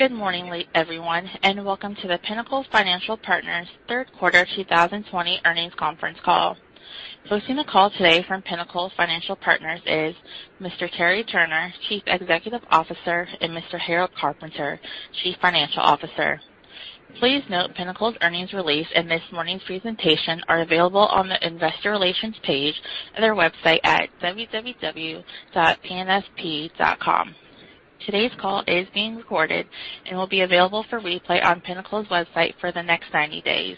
Good morning, everyone, and welcome to the Pinnacle Financial Partners third quarter 2020 earnings conference call. Hosting the call today from Pinnacle Financial Partners is Mr. Terry Turner, Chief Executive Officer, and Mr. Harold Carpenter, Chief Financial Officer. Please note Pinnacle's earnings release and this morning's presentation are available on the investor relations page of their website at www.pnfp.com. Today's call is being recorded and will be available for replay on Pinnacle's website for the next 90 days.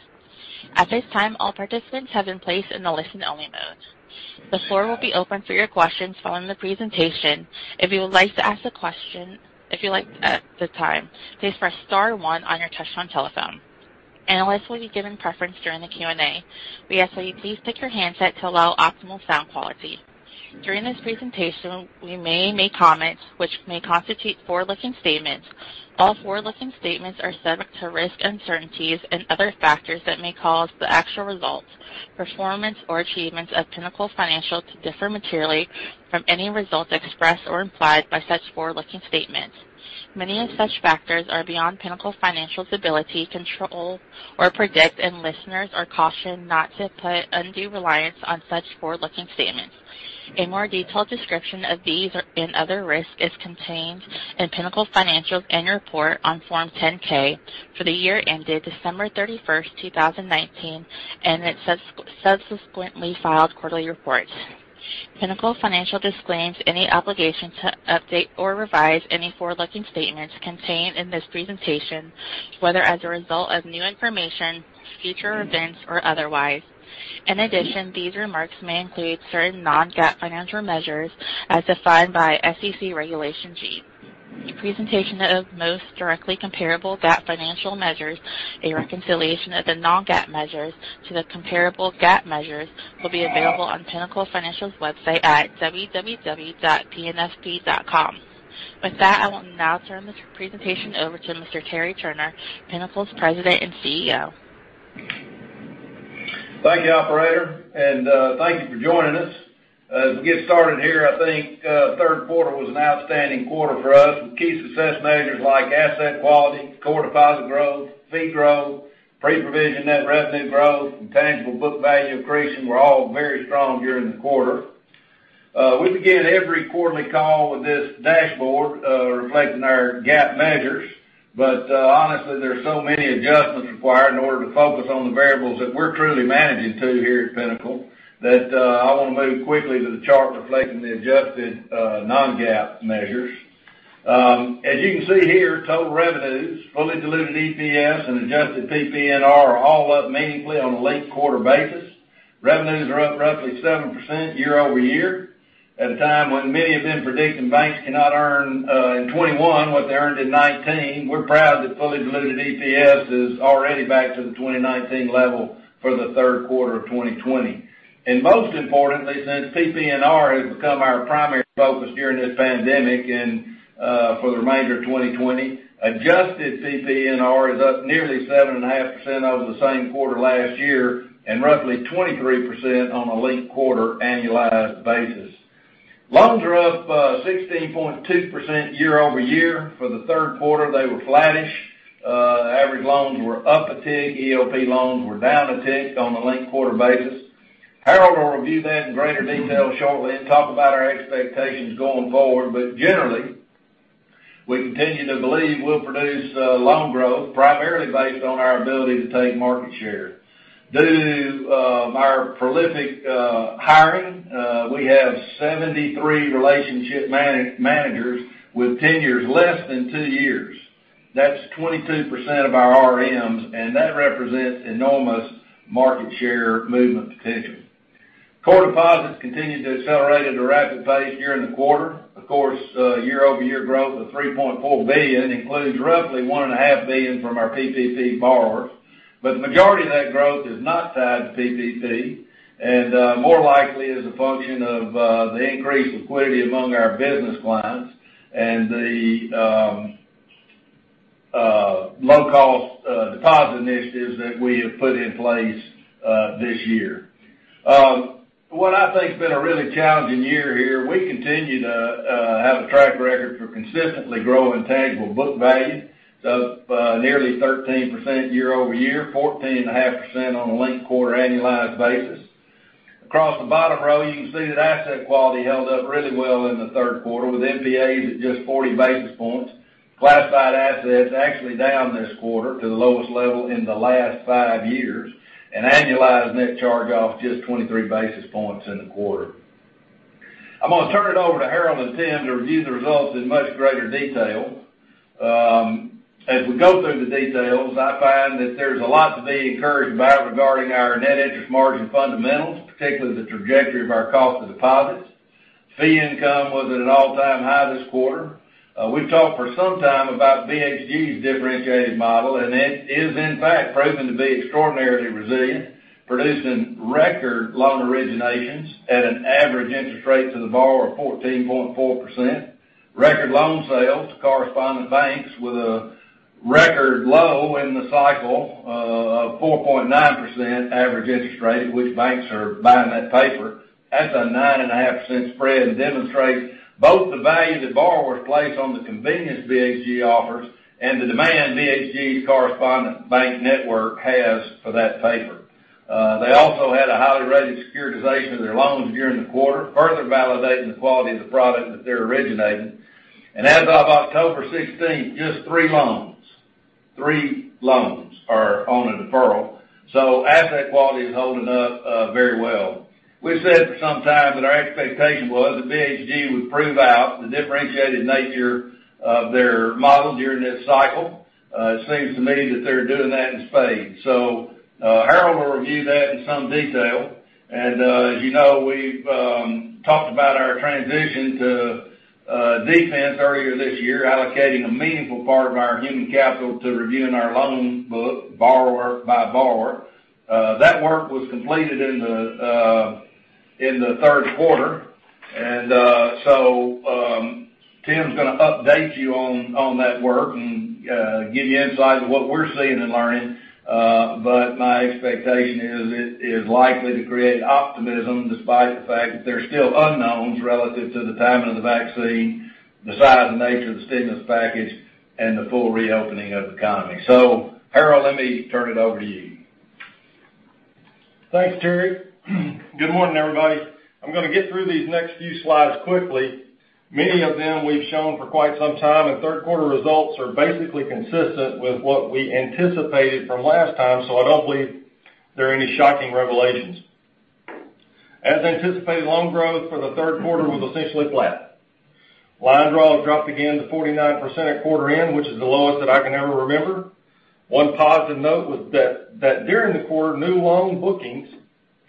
At this time, all participants have been placed in a listen-only mode. The floor will be open for your questions following the presentation. If you would like to ask a question at the time, please press star one on your touchtone telephone. Analysts will be given preference during the Q&A. We ask that you please pick your handset to allow optimal sound quality. During this presentation, we may make comments which may constitute forward-looking statements. All forward-looking statements are subject to risks, uncertainties, and other factors that may cause the actual results, performance, or achievements of Pinnacle Financial to differ materially from any results expressed or implied by such forward-looking statements. Many of such factors are beyond Pinnacle Financial's ability, control, or predict, and listeners are cautioned not to put undue reliance on such forward-looking statements. A more detailed description of these and other risks is contained in Pinnacle Financial's annual report on Form 10-K for the year ended December 31st, 2019, and in its subsequently filed quarterly reports. Pinnacle Financial disclaims any obligation to update or revise any forward-looking statements contained in this presentation, whether as a result of new information, future events, or otherwise. In addition, these remarks may include certain non-GAAP financial measures as defined by SEC Regulation G. A presentation of most directly comparable GAAP financial measures, a reconciliation of the non-GAAP measures to the comparable GAAP measures, will be available on Pinnacle Financial's website at www.pnfp.com. With that, I will now turn this presentation over to Mr. Terry Turner, Pinnacle's President and CEO. Thank you, operator, and thank you for joining us. As we get started here, I think the third quarter was an outstanding quarter for us, with key success measures like asset quality, core deposit growth, fee growth, pre-provision net revenue growth, and tangible book value accretion were all very strong during the quarter. We begin every quarterly call with this dashboard, reflecting our GAAP measures. Honestly, there are so many adjustments required in order to focus on the variables that we're truly managing to here at Pinnacle, that I want to move quickly to the chart reflecting the adjusted non-GAAP measures. As you can see here, total revenues, fully diluted EPS, and adjusted PPNR are all up meaningfully on a linked-quarter basis. Revenues are up roughly 7% year-over-year. At a time when many have been predicting banks cannot earn in 2021 what they earned in 2019, we're proud that fully diluted EPS is already back to the 2019 level for the third quarter of 2020. Most importantly, since PPNR has become our primary focus during this pandemic and for the remainder of 2020, adjusted PPNR is up nearly 7.5% over the same quarter last year and roughly 23% on a linked-quarter annualized basis. Loans are up 16.2% year-over-year. For the third quarter, they were flattish. Average loans were up a tick. EOP loans were down a tick on a linked-quarter basis. Harold will review that in greater detail shortly and talk about our expectations going forward. Generally, we continue to believe we'll produce loan growth, primarily based on our ability to take market share. Due to our prolific hiring, we have 73 relationship managers with tenures less than two years. That's 22% of our RMs, that represents enormous market share movement potential. Core deposits continued to accelerate at a rapid pace during the quarter. Of course, year-over-year growth of $3.4 billion includes roughly $1.5 billion from our PPP borrowers. The majority of that growth is not tied to PPP and more likely is a function of the increased liquidity among our business clients and the low-cost deposit initiatives that we have put in place this year. For what I think has been a really challenging year here, we continue to have a track record for consistently growing tangible book value, it's up nearly 13% year-over-year, 14.5% on a linked-quarter annualized basis. Across the bottom row, you can see that asset quality held up really well in the third quarter, with NPAs at just 40 basis points. Classified assets actually down this quarter to the lowest level in the last five years, and annualized net charge-offs just 23 basis points in the quarter. I'm going to turn it over to Harold and Tim to review the results in much greater detail. As we go through the details, I find that there's a lot to be encouraged by regarding our net interest margin fundamentals, particularly the trajectory of our cost of deposits. Fee income was at an all-time high this quarter. We've talked for some time about BHG's differentiated model, and it has in fact proven to be extraordinarily resilient, producing record loan originations at an average interest rate to the borrower of 14.4%. Record loan sales to corresponding banks with a record low in the cycle of 4.9% average interest rate, at which banks are buying that paper. That's a 9.5% spread and demonstrates both the value that borrowers place on the convenience BHG offers and the demand BHG's correspondent bank network has for that paper. They also had a highly rated securitization of their loans during the quarter, further validating the quality of the product that they're originating. As of October 16th, just three loans are on a deferral. Asset quality is holding up very well. We said for some time that our expectation was that BHG would prove out the differentiated nature of their model during this cycle. It seems to me that they're doing that in spades. Harold will review that in some detail. As you know, we've talked about our transition to defense earlier this year, allocating a meaningful part of our human capital to reviewing our loan book borrower by borrower. That work was completed in the third quarter. Tim's going to update you on that work and give you insight to what we're seeing and learning. My expectation is it is likely to create optimism despite the fact that there's still unknowns relative to the timing of the vaccine, the size and nature of the stimulus package, and the full reopening of the economy. Harold, let me turn it over to you. Thanks, Terry. Good morning, everybody. I'm going to get through these next few slides quickly. Many of them we've shown for quite some time, and third quarter results are basically consistent with what we anticipated from last time, so I don't believe there are any shocking revelations. As anticipated, loan growth for the third quarter was essentially flat. Line draws dropped again to 49% at quarter end, which is the lowest that I can ever remember. One positive note was that during the quarter, new loan bookings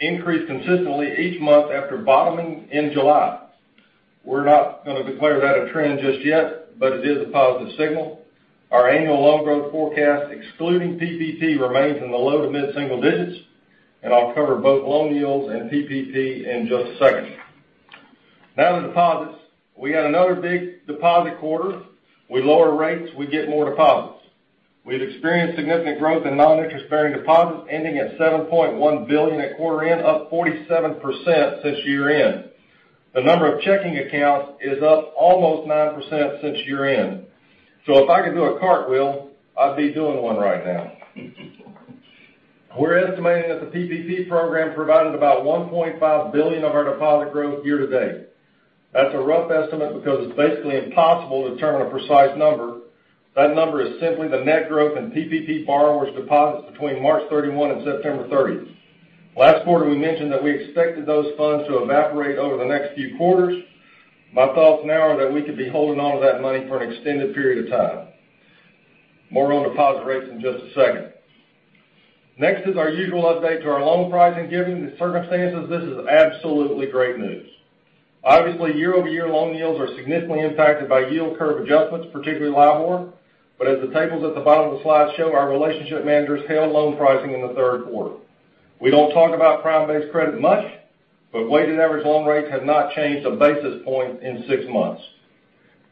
increased consistently each month after bottoming in July. We're not going to declare that a trend just yet, but it is a positive signal. Our annual loan growth forecast, excluding PPP, remains in the low to mid-single digits, and I'll cover both loan yields and PPP in just a second. Now to deposits. We had another big deposit quarter. We lower rates, we get more deposits. We've experienced significant growth in non-interest bearing deposits, ending at $7.1 billion at quarter end, up 47% since year end. The number of checking accounts is up almost 9% since year end. If I could do a cartwheel, I'd be doing one right now. We're estimating that the PPP program provided about $1.5 billion of our deposit growth year to date. That's a rough estimate because it's basically impossible to determine a precise number. That number is simply the net growth in PPP borrowers deposits between March 31 and September 30th. Last quarter, we mentioned that we expected those funds to evaporate over the next few quarters. My thoughts now are that we could be holding onto that money for an extended period of time. More on deposit rates in just a second. Next is our usual update to our loan pricing. Given the circumstances, this is absolutely great news. Obviously, year-over-year loan yields are significantly impacted by yield curve adjustments, particularly LIBOR. As the tables at the bottom of the slide show, our relationship managers held loan pricing in the third quarter. We don't talk about prime-based credit much, weighted average loan rates have not changed a basis point in six months.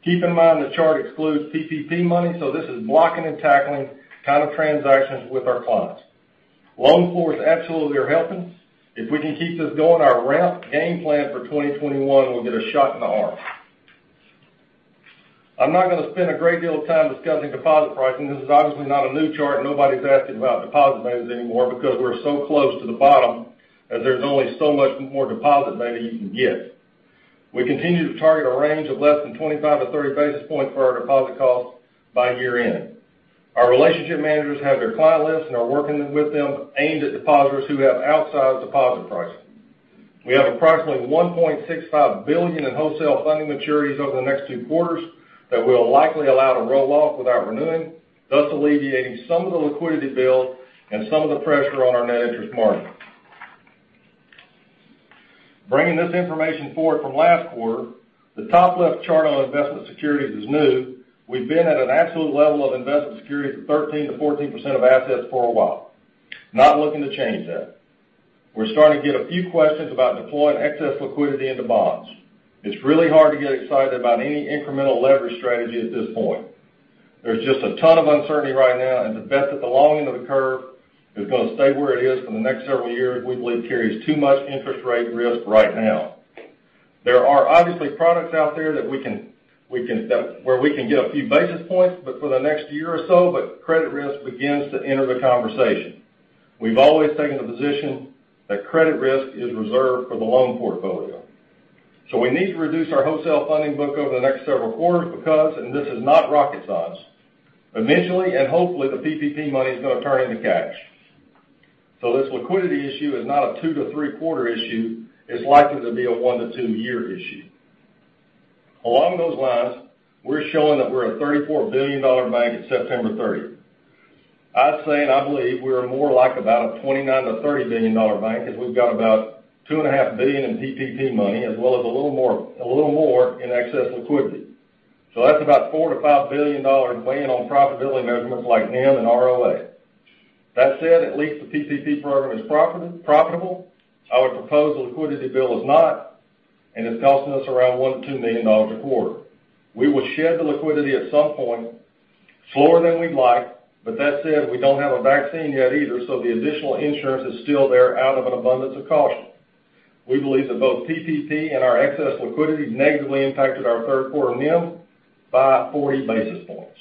Keep in mind, the chart excludes PPP money, this is blocking and tackling kind of transactions with our clients. Loan floors absolutely are helping. If we can keep this going, our ramp game plan for 2021 will get a shot in the arm. I'm not going to spend a great deal of time discussing deposit pricing. This is obviously not a new chart. Nobody's asking about deposit betas anymore because we're so close to the bottom that there's only so much more deposit money you can get. We continue to target a range of less than 25-30 basis points for our deposit cost by year end. Our relationship managers have their client lists and are working with them aimed at depositors who have outsized deposit pricing. We have approximately $1.65 billion in wholesale funding maturities over the next two quarters that we'll likely allow to roll off without renewing, thus alleviating some of the liquidity build and some of the pressure on our net interest margin. Bringing this information forward from last quarter, the top left chart on investment securities is new. We've been at an absolute level of investment securities of 13%-14% of assets for a while. Not looking to change that. We're starting to get a few questions about deploying excess liquidity into bonds. It's really hard to get excited about any incremental leverage strategy at this point. There's just a ton of uncertainty right now. The bet that the long end of the curve is going to stay where it is for the next several years, we believe carries too much interest rate risk right now. There are obviously products out there where we can get a few basis points for the next year or so, but credit risk begins to enter the conversation. We've always taken the position that credit risk is reserved for the loan portfolio. We need to reduce our wholesale funding book over the next several quarters because, this is not rocket science, eventually and hopefully, the PPP money is going to turn into cash. This liquidity issue is not a two to three quarter issue, it's likely to be a one-to-two-year issue. Along those lines, we're showing that we're a $34 billion bank at September 30. I'd say, and I believe, we are more like about a $29 billion-$30 billion bank, as we've got about $2.5 billion in PPP money, as well as a little more in excess liquidity. That's about $4 billion-$5 billion weighing on profitability measurements like NIM and ROA. That said, at least the PPP program is profitable. Our proposed liquidity build is not, and is costing us around $1 million-$2 million a quarter. We will shed the liquidity at some point, slower than we'd like. That said, we don't have a vaccine yet either, so the additional insurance is still there out of an abundance of caution. We believe that both PPP and our excess liquidity negatively impacted our third quarter NIM by 40 basis points.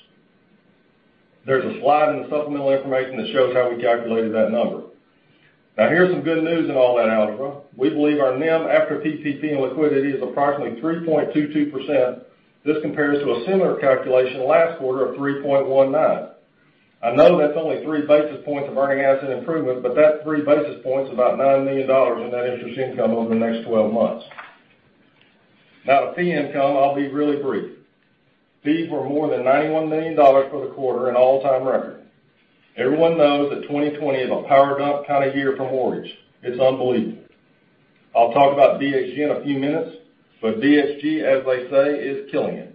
There's a slide in the supplemental information that shows how we calculated that number. Here's some good news in all that algebra. We believe our NIM after PPP and liquidity is approximately 3.22%. This compares to a similar calculation last quarter of 3.19. I know that's only three basis points of earning asset improvement, that three basis point's about $9 million in net interest income over the next 12 months. To fee income, I'll be really brief. Fees were more than $91 million for the quarter, an all-time record. Everyone knows that 2020 is a power dump kind of year for mortgage. It's unbelievable. I'll talk about BHG in a few minutes, BHG, as they say, is killing it.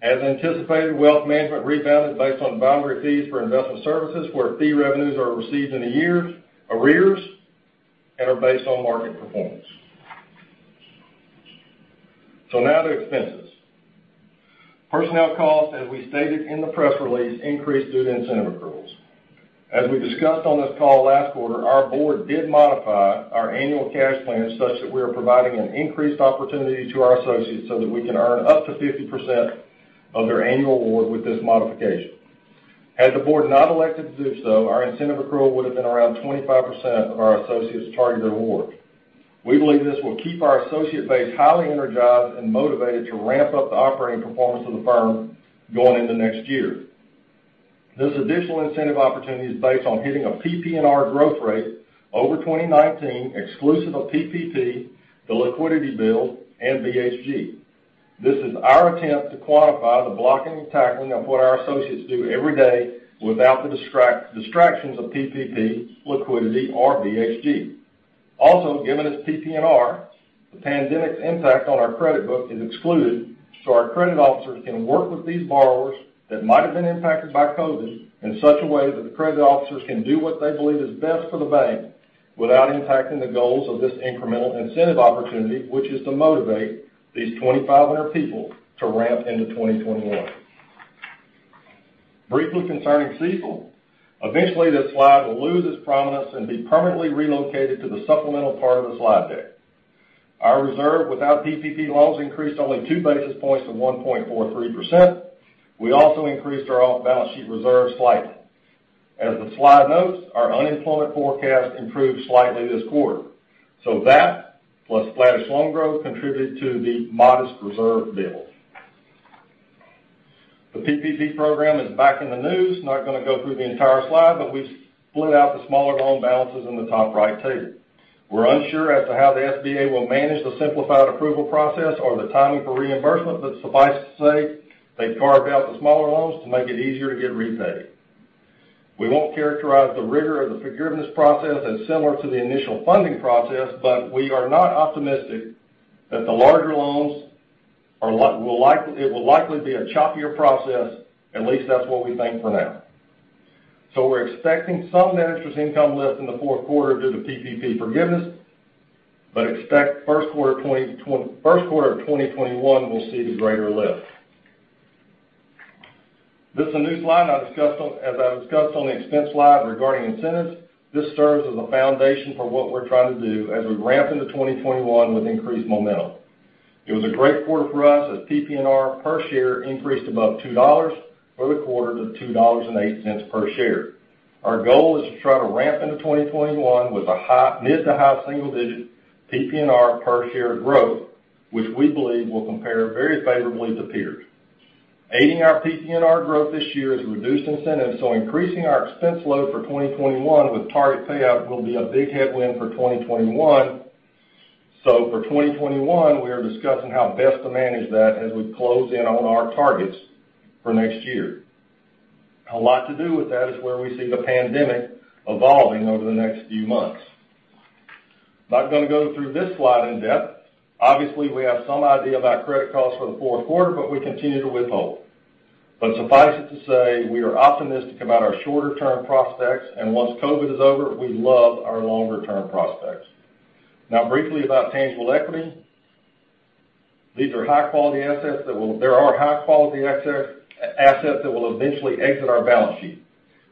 Wealth management rebounded based on boundary fees for investment services, where fee revenues are received in arrears and are based on market performance. Now to expenses. Personnel costs, as we stated in the press release, increased due to incentive accruals. We discussed on this call last quarter, our board did modify our annual cash plans such that we are providing an increased opportunity to our associates so that we can earn up to 50% of their annual award with this modification. Had the board not elected to do so, our incentive accrual would have been around 25% of our associates' targeted award. We believe this will keep our associate base highly energized and motivated to ramp up the operating performance of the firm going into next year. This additional incentive opportunity is based on hitting a PPNR growth rate over 2019 exclusive of PPP, the liquidity build, and BHG. This is our attempt to quantify the blocking and tackling of what our associates do every day without the distractions of PPP, liquidity, or BHG. Given it's PPNR, the pandemic's impact on our credit book is excluded, so our credit officers can work with these borrowers that might have been impacted by COVID in such a way that the credit officers can do what they believe is best for the bank without impacting the goals of this incremental incentive opportunity, which is to motivate these 2,500 people to ramp into 2021. Briefly concerning CECL, eventually this slide will lose its prominence and be permanently relocated to the supplemental part of the slide deck. Our reserve without PPP loans increased only 2 basis points to 1.43%. We also increased our off-balance sheet reserve slightly. As the slide notes, our unemployment forecast improved slightly this quarter. That, plus flattish loan growth contributed to the modest reserve build. The PPP program is back in the news. Not going to go through the entire slide, we split out the smaller loan balances in the top right table. We're unsure as to how the SBA will manage the simplified approval process or the timing for reimbursement, suffice to say, they've carved out the smaller loans to make it easier to get repaid. We won't characterize the rigor of the forgiveness process as similar to the initial funding process, we are not optimistic that the larger loans, it will likely be a choppier process, at least that's what we think for now. We're expecting some net interest income lift in the fourth quarter due to PPP forgiveness, but expect first quarter of 2021, we'll see the greater lift. This is a new slide as I discussed on the expense slide regarding incentives. This serves as a foundation for what we're trying to do as we ramp into 2021 with increased momentum. It was a great quarter for us as PPNR per share increased above $2 for the quarter to $2.08 per share. Our goal is to try to ramp into 2021 with a mid to high single-digit PPNR per share growth, which we believe will compare very favorably to peers. Aiding our PPNR growth this year is reduced incentives, so increasing our expense load for 2021 with target payout will be a big headwind for 2021. For 2021, we are discussing how best to manage that as we close in on our targets for next year. A lot to do with that is where we see the pandemic evolving over the next few months. Not going to go through this slide in depth. Obviously, we have some idea about credit costs for the fourth quarter, but we continue to withhold. Suffice it to say, we are optimistic about our shorter-term prospects, and once COVID is over, we love our longer-term prospects. Briefly about tangible equity. There are high-quality assets that will eventually exit our balance sheet.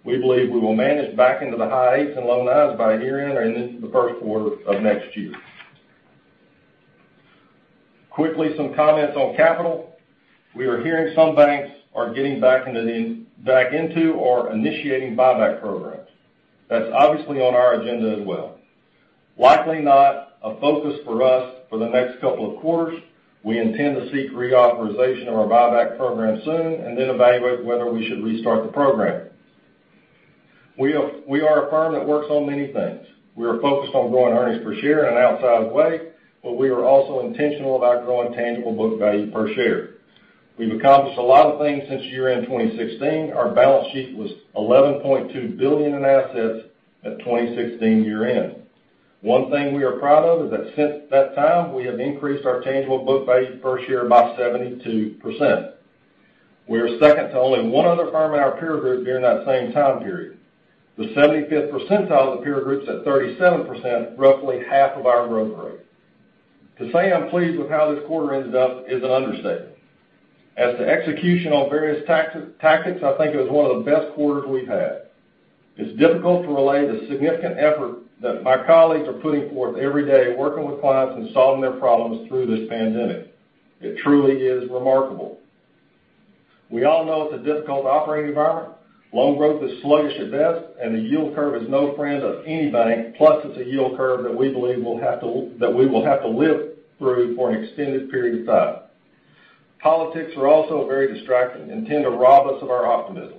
We believe we will manage back into the high eights and low nines by year-end or into the first quarter of next year. Quickly, some comments on capital. We are hearing some banks are getting back into or initiating buyback programs. That's obviously on our agenda as well. Likely not a focus for us for the next couple of quarters. We intend to seek reauthorization of our buyback program soon and then evaluate whether we should restart the program. We are a firm that works on many things. We are focused on growing earnings per share in an outsized way, but we are also intentional about growing tangible book value per share. We've accomplished a lot of things since year-end 2016. Our balance sheet was $11.2 billion in assets at 2016 year-end. One thing we are proud of is that since that time, we have increased our tangible book value per share by 72%. We are second to only one other firm in our peer group during that same time period. The 75th percentile of the peer group is at 37%, roughly half of our growth rate. To say I'm pleased with how this quarter ended up is an understatement. As to execution on various tactics, I think it was one of the best quarters we've had. It's difficult to relay the significant effort that my colleagues are putting forth every day, working with clients and solving their problems through this pandemic. It truly is remarkable. We all know it's a difficult operating environment. Loan growth is sluggish at best, and the yield curve is no friend of any bank, plus it's a yield curve that we believe that we will have to live through for an extended period of time. Politics are also very distracting and tend to rob us of our optimism.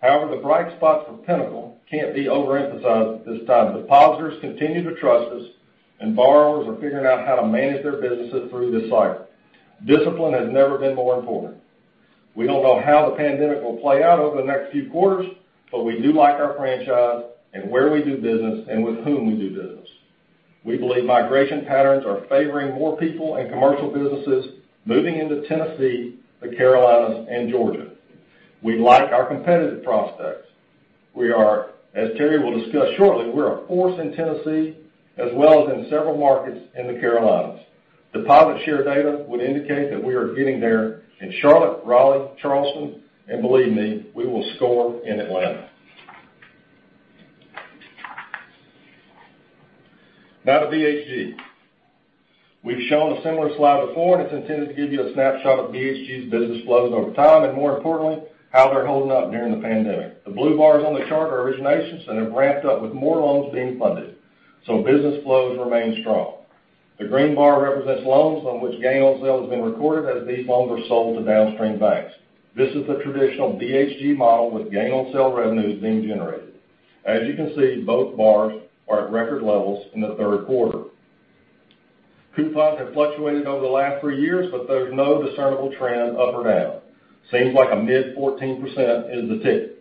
However, the bright spots for Pinnacle can't be overemphasized at this time. Depositors continue to trust us, and borrowers are figuring out how to manage their businesses through this cycle. Discipline has never been more important. We don't know how the pandemic will play out over the next few quarters. We do like our franchise and where we do business and with whom we do business. We believe migration patterns are favoring more people and commercial businesses moving into Tennessee, the Carolinas, and Georgia. We like our competitive prospects. We are, as Terry will discuss shortly, we're a force in Tennessee, as well as in several markets in the Carolinas. Deposit share data would indicate that we are getting there in Charlotte, Raleigh, Charleston, and believe me, we will score in Atlanta. To BHG. We've shown a similar slide before. It's intended to give you a snapshot of BHG's business flows over time, and more importantly, how they're holding up during the pandemic. The blue bars on the chart are originations, and have ramped up with more loans being funded. Business flows remain strong. The green bar represents loans on which gain on sale has been recorded as these loans are sold to downstream banks. This is the traditional BHG model with gain on sale revenues being generated. As you can see, both bars are at record levels in the third quarter. Coupon has fluctuated over the last three years, but there is no discernible trend up or down. Seems like a mid 14% is the tick.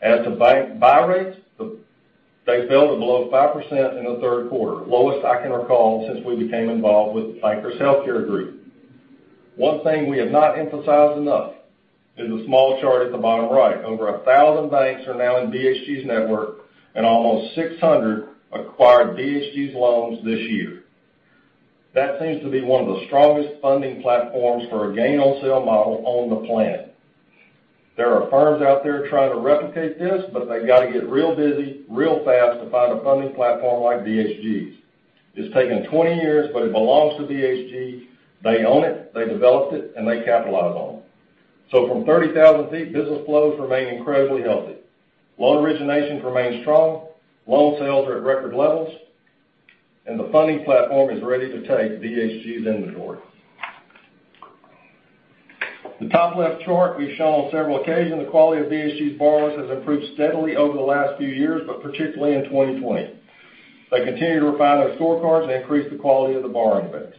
As to buy rates, they fell to below 5% in the third quarter, lowest I can recall since we became involved with the [Bankers Healthcare Group]. One thing we have not emphasized enough is the small chart at the bottom right. Over 1,000 banks are now in BHG's network, and almost 600 acquired BHG's loans this year. That seems to be one of the strongest funding platforms for a gain on sale model on the planet. There are firms out there trying to replicate this, but they've got to get real busy, real fast to find a funding platform like BHG's. It's taken 20 years, but it belongs to BHG. They own it, they developed it, and they capitalize on it. From 30,000 feet, business flows remain incredibly healthy. Loan originations remain strong, loan sales are at record levels, and the funding platform is ready to take BHG's inventory. The top left chart we've shown on several occasions, the quality of BHG's borrowers has improved steadily over the last few years, but particularly in 2020. They continue to refine their scorecards and increase the quality of the borrowing base.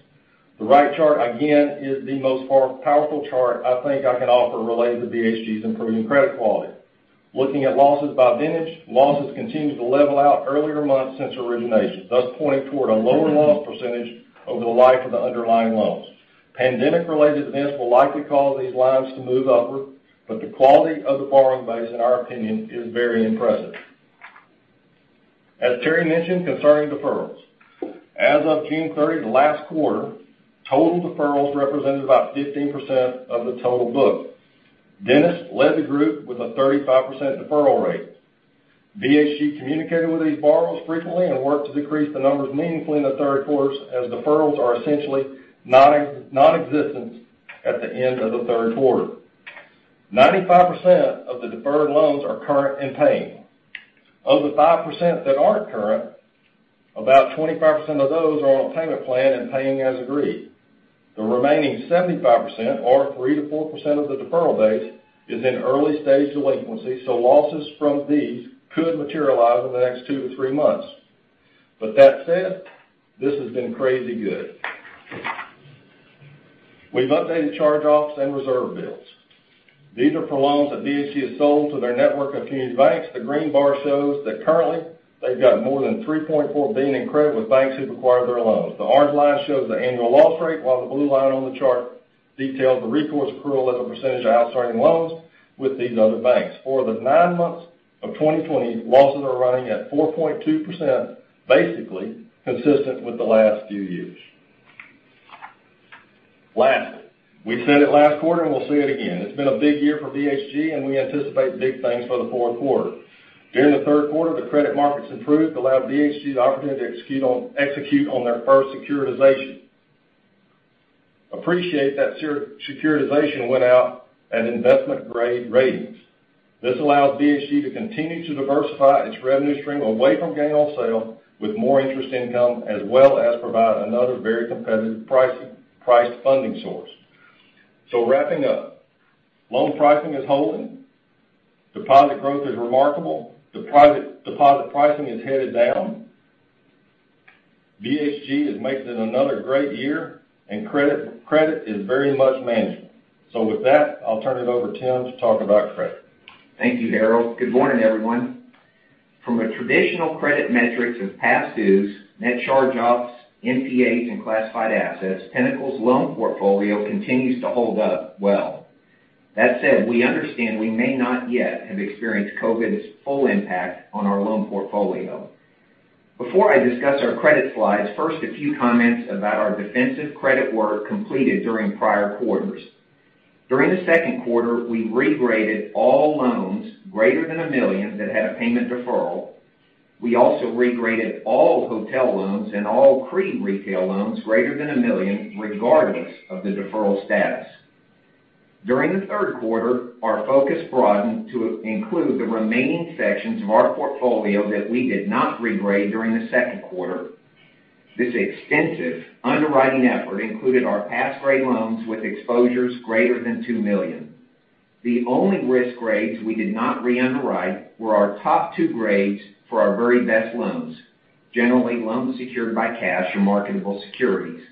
The right chart, again, is the most powerful chart I think I can offer related to BHG's improving credit quality. Looking at losses by vintage, losses continue to level out earlier months since origination, thus pointing toward a lower loss percentage over the life of the underlying loans. Pandemic-related events will likely cause these lines to move upward, but the quality of the borrowing base, in our opinion, is very impressive. As Terry mentioned, concerning deferrals, as of June 30, the last quarter, total deferrals represented about 15% of the total book. dentists led the group with a 35% deferral rate. BHG communicated with these borrowers frequently and worked to decrease the numbers meaningfully in the third quarter, as deferrals are essentially non-existent at the end of the third quarter. 95% of the deferred loans are current and paying. Of the 5% that aren't current, about 25% of those are on a payment plan and paying as agreed. The remaining 75%, or 3%-4% of the deferral base, is in early stage delinquency, losses from these could materialize over the next two to three months. That said, this has been crazy good. We've updated charge-offs and reserve builds. These are for loans that BHG has sold to their network of community banks. The green bar shows that currently, they've got more than $3.4 billion in credit with banks who've acquired their loans. The orange line shows the annual loss rate, while the blue line on the chart details the recourse accrual as a percentage of outstanding loans with these other banks. For the nine months of 2020, losses are running at 4.2%, basically consistent with the last few years. Lastly, we've said it last quarter and we'll say it again, it's been a big year for BHG and we anticipate big things for the fourth quarter. During the third quarter, the credit markets improved, allowed BHG the opportunity to execute on their first securitization. Appreciate that securitization went out at investment grade ratings. This allows BHG to continue to diversify its revenue stream away from gain on sale with more interest income, as well as provide another very competitive priced funding source. Wrapping up, loan pricing is holding, deposit growth is remarkable, deposit pricing is headed down. BHG is making it another great year, and credit is very much manageable. With that, I'll turn it over to Tim to talk about credit. Thank you, Harold. Good morning, everyone. From a traditional credit metrics of past dues, net charge-offs, NPAs, and classified assets, Pinnacle's loan portfolio continues to hold up well. That said, we understand we may not yet have experienced COVID's full impact on our loan portfolio. Before I discuss our credit slides, first, a few comments about our defensive credit work completed during prior quarters. During the second quarter, we regraded all loans greater than $1 million that had a payment deferral. We also regraded all hotel loans and all CRE retail loans greater than $1 million, regardless of the deferral status. During the third quarter, our focus broadened to include the remaining sections of our portfolio that we did not regrade during the second quarter. This extensive underwriting effort included our pass grade loans with exposures greater than $2 million. The only risk grades we did not re-underwrite were our top two grades for our very best loans, generally loans secured by cash or marketable securities.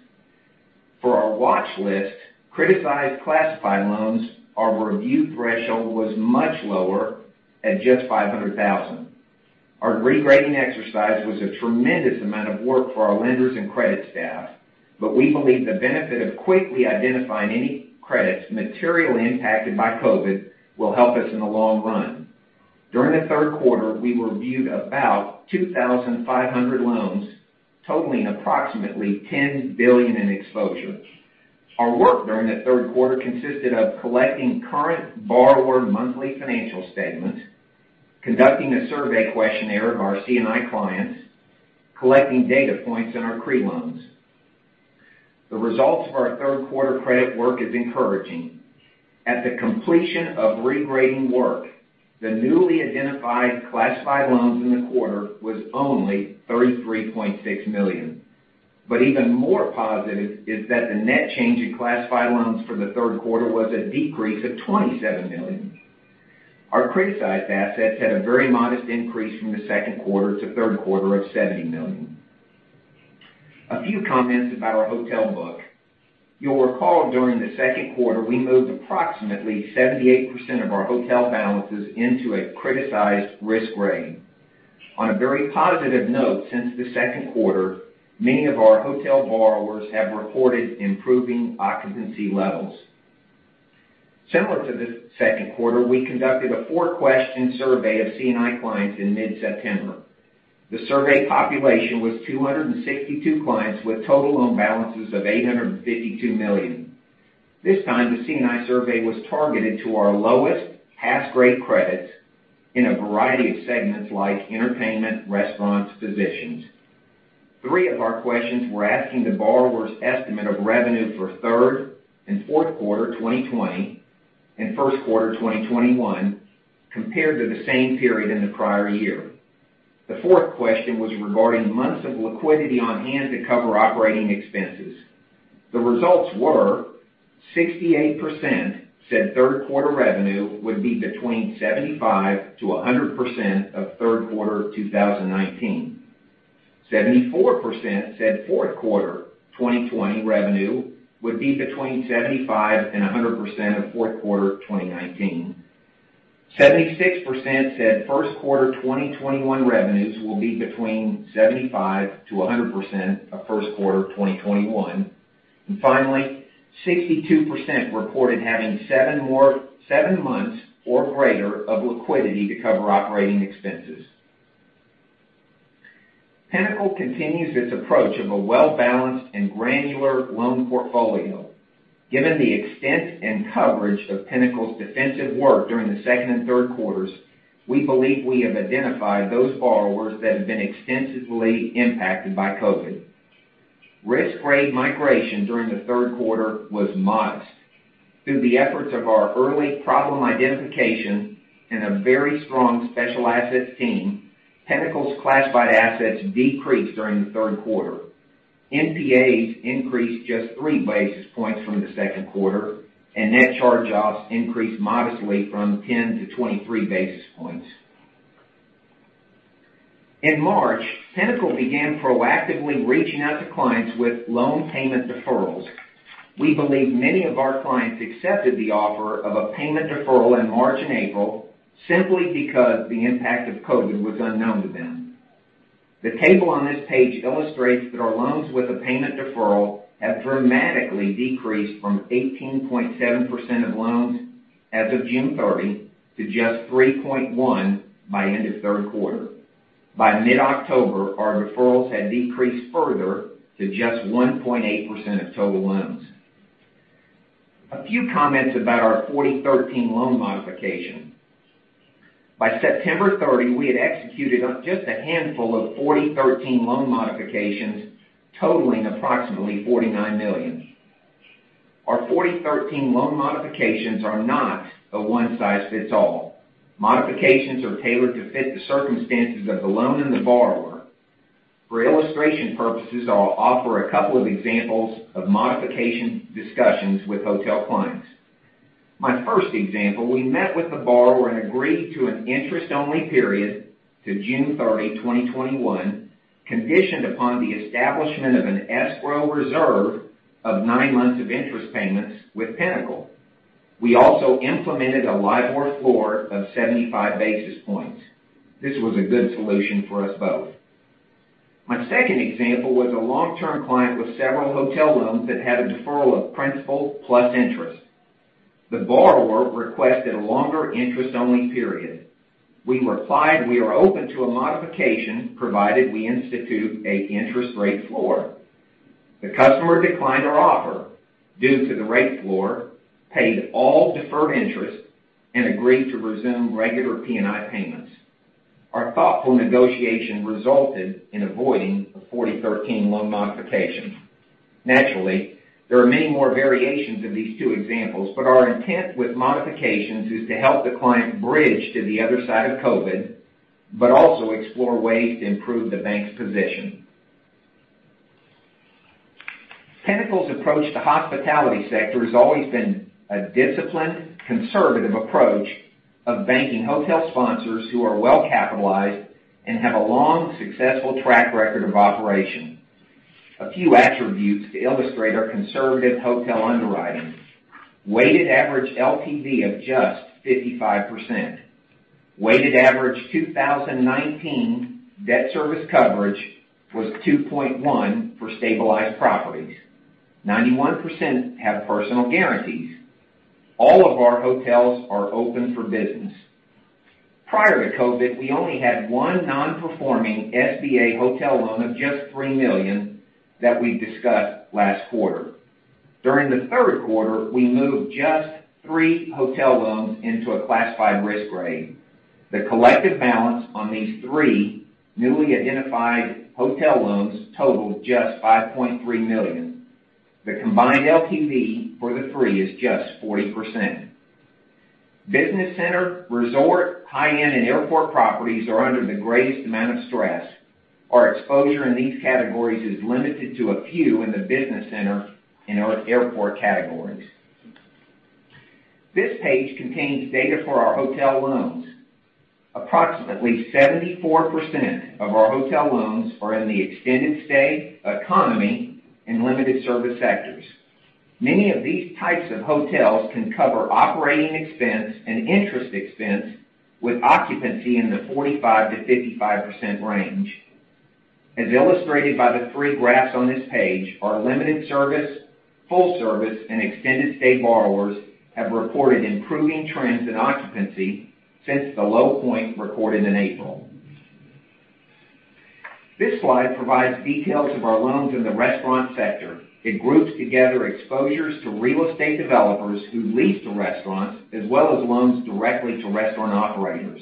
For our watch list, criticized classified loans, our review threshold was much lower at just 500,000. Our regrading exercise was a tremendous amount of work for our lenders and credit staff, but we believe the benefit of quickly identifying any credits materially impacted by COVID will help us in the long run. During the third quarter, we reviewed about 2,500 loans totaling approximately $10 billion in exposure. Our work during the third quarter consisted of collecting current borrower monthly financial statements, conducting a survey questionnaire of our C&I clients, collecting data points on our CRE loans. The results of our third quarter credit work is encouraging. At the completion of regrading work, the newly identified classified loans in the quarter was only $33.6 million. Even more positive is that the net change in classified loans for the third quarter was a decrease of $27 million. Our criticized assets had a very modest increase from the second quarter to third quarter of $70 million. A few comments about our hotel book. You'll recall during the second quarter, we moved approximately 78% of our hotel balances into a criticized risk grade. On a very positive note, since the second quarter, many of our hotel borrowers have reported improving occupancy levels. Similar to the second quarter, we conducted a four-question survey of C&I clients in mid-September. The survey population was 262 clients with total loan balances of $852 million. This time, the C&I survey was targeted to our lowest pass-grade credits in a variety of segments like entertainment, restaurants, physicians. Three of our questions were asking the borrower's estimate of revenue for third and fourth quarter 2020 and first quarter 2021, compared to the same period in the prior year. The fourth question was regarding months of liquidity on hand to cover operating expenses. The results were 68% said third quarter revenue would be between 75%-100% of third quarter 2019. 74% said fourth quarter 2020 revenue would be between 75% and 100% of fourth quarter 2019. 76% said first quarter 2021 revenues will be between 75%-100% of first quarter 2021. Finally, 62% reported having seven months or greater of liquidity to cover operating expenses. Pinnacle continues its approach of a well-balanced and granular loan portfolio. Given the extent and coverage of Pinnacle's defensive work during the second and third quarters, we believe we have identified those borrowers that have been extensively impacted by COVID. Risk grade migration during the third quarter was modest. Through the efforts of our early problem identification and a very strong special assets team, Pinnacle's classified assets decreased during the third quarter. NPAs increased just three basis points from the second quarter, and net charge-offs increased modestly from 10 to 23 basis points. In March, Pinnacle began proactively reaching out to clients with loan payment deferrals. We believe many of our clients accepted the offer of a payment deferral in March and April simply because the impact of COVID was unknown to them. The table on this page illustrates that our loans with a payment deferral have dramatically decreased from 18.7% of loans as of June 30 to just 3.1% by end of third quarter. By mid-October, our deferrals had decreased further to just 1.8% of total loans. A few comments about 4013 loan modification. By September 30, we had executed just a handful of 4013 loan modifications totaling approximately $49 million. Our 4013 loan modifications are not a one size fits all. Modifications are tailored to fit the circumstances of the loan and the borrower. For illustration purposes, I'll offer a couple of examples of modification discussions with hotel clients. My first example, we met with the borrower and agreed to an interest-only period to June 30, 2021, conditioned upon the establishment of an escrow reserve of nine months of interest payments with Pinnacle. We also implemented a LIBOR floor of 75 basis points. This was a good solution for us both. My second example was a long-term client with several hotel loans that had a deferral of principal plus interest. The borrower requested a longer interest-only period. We replied, "We are open to a modification, provided we institute an interest rate floor." The customer declined our offer due to the rate floor, paid all deferred interest, and agreed to resume regular P&I payments. Our thoughtful negotiation resulted in avoiding a 4013 loan modification. Naturally, there are many more variations of these two examples, but our intent with modifications is to help the client bridge to the other side of COVID, but also explore ways to improve the bank's position. Pinnacle's approach to hospitality sector has always been a disciplined, conservative approach of banking hotel sponsors who are well-capitalized and have a long, successful track record of operation. A few attributes to illustrate our conservative hotel underwriting. Weighted average LTV of just 55%. Weighted average 2019 debt service coverage was 2.1 for stabilized properties. 91% have personal guarantees. All of our hotels are open for business. Prior to COVID, we only had one non-performing SBA hotel loan of just $3 million that we discussed last quarter. During the third quarter, we moved just three hotel loans into a classified risk grade. The collective balance on these three newly identified hotel loans totaled just $5.3 million. The combined LTV for the three is just 40%. Business center, resort, high-end, and airport properties are under the greatest amount of stress. Our exposure in these categories is limited to a few in the business center and airport categories. This page contains data for our hotel loans. Approximately 74% of our hotel loans are in the extended stay, economy, and limited service sectors. Many of these types of hotels can cover operating expense and interest expense with occupancy in the 45%-55% range. As illustrated by the three graphs on this page, our limited service, full service, and extended stay borrowers have reported improving trends in occupancy since the low point recorded in April. This slide provides details of our loans in the restaurant sector. It groups together exposures to real estate developers who lease to restaurants, as well as loans directly to restaurant operators.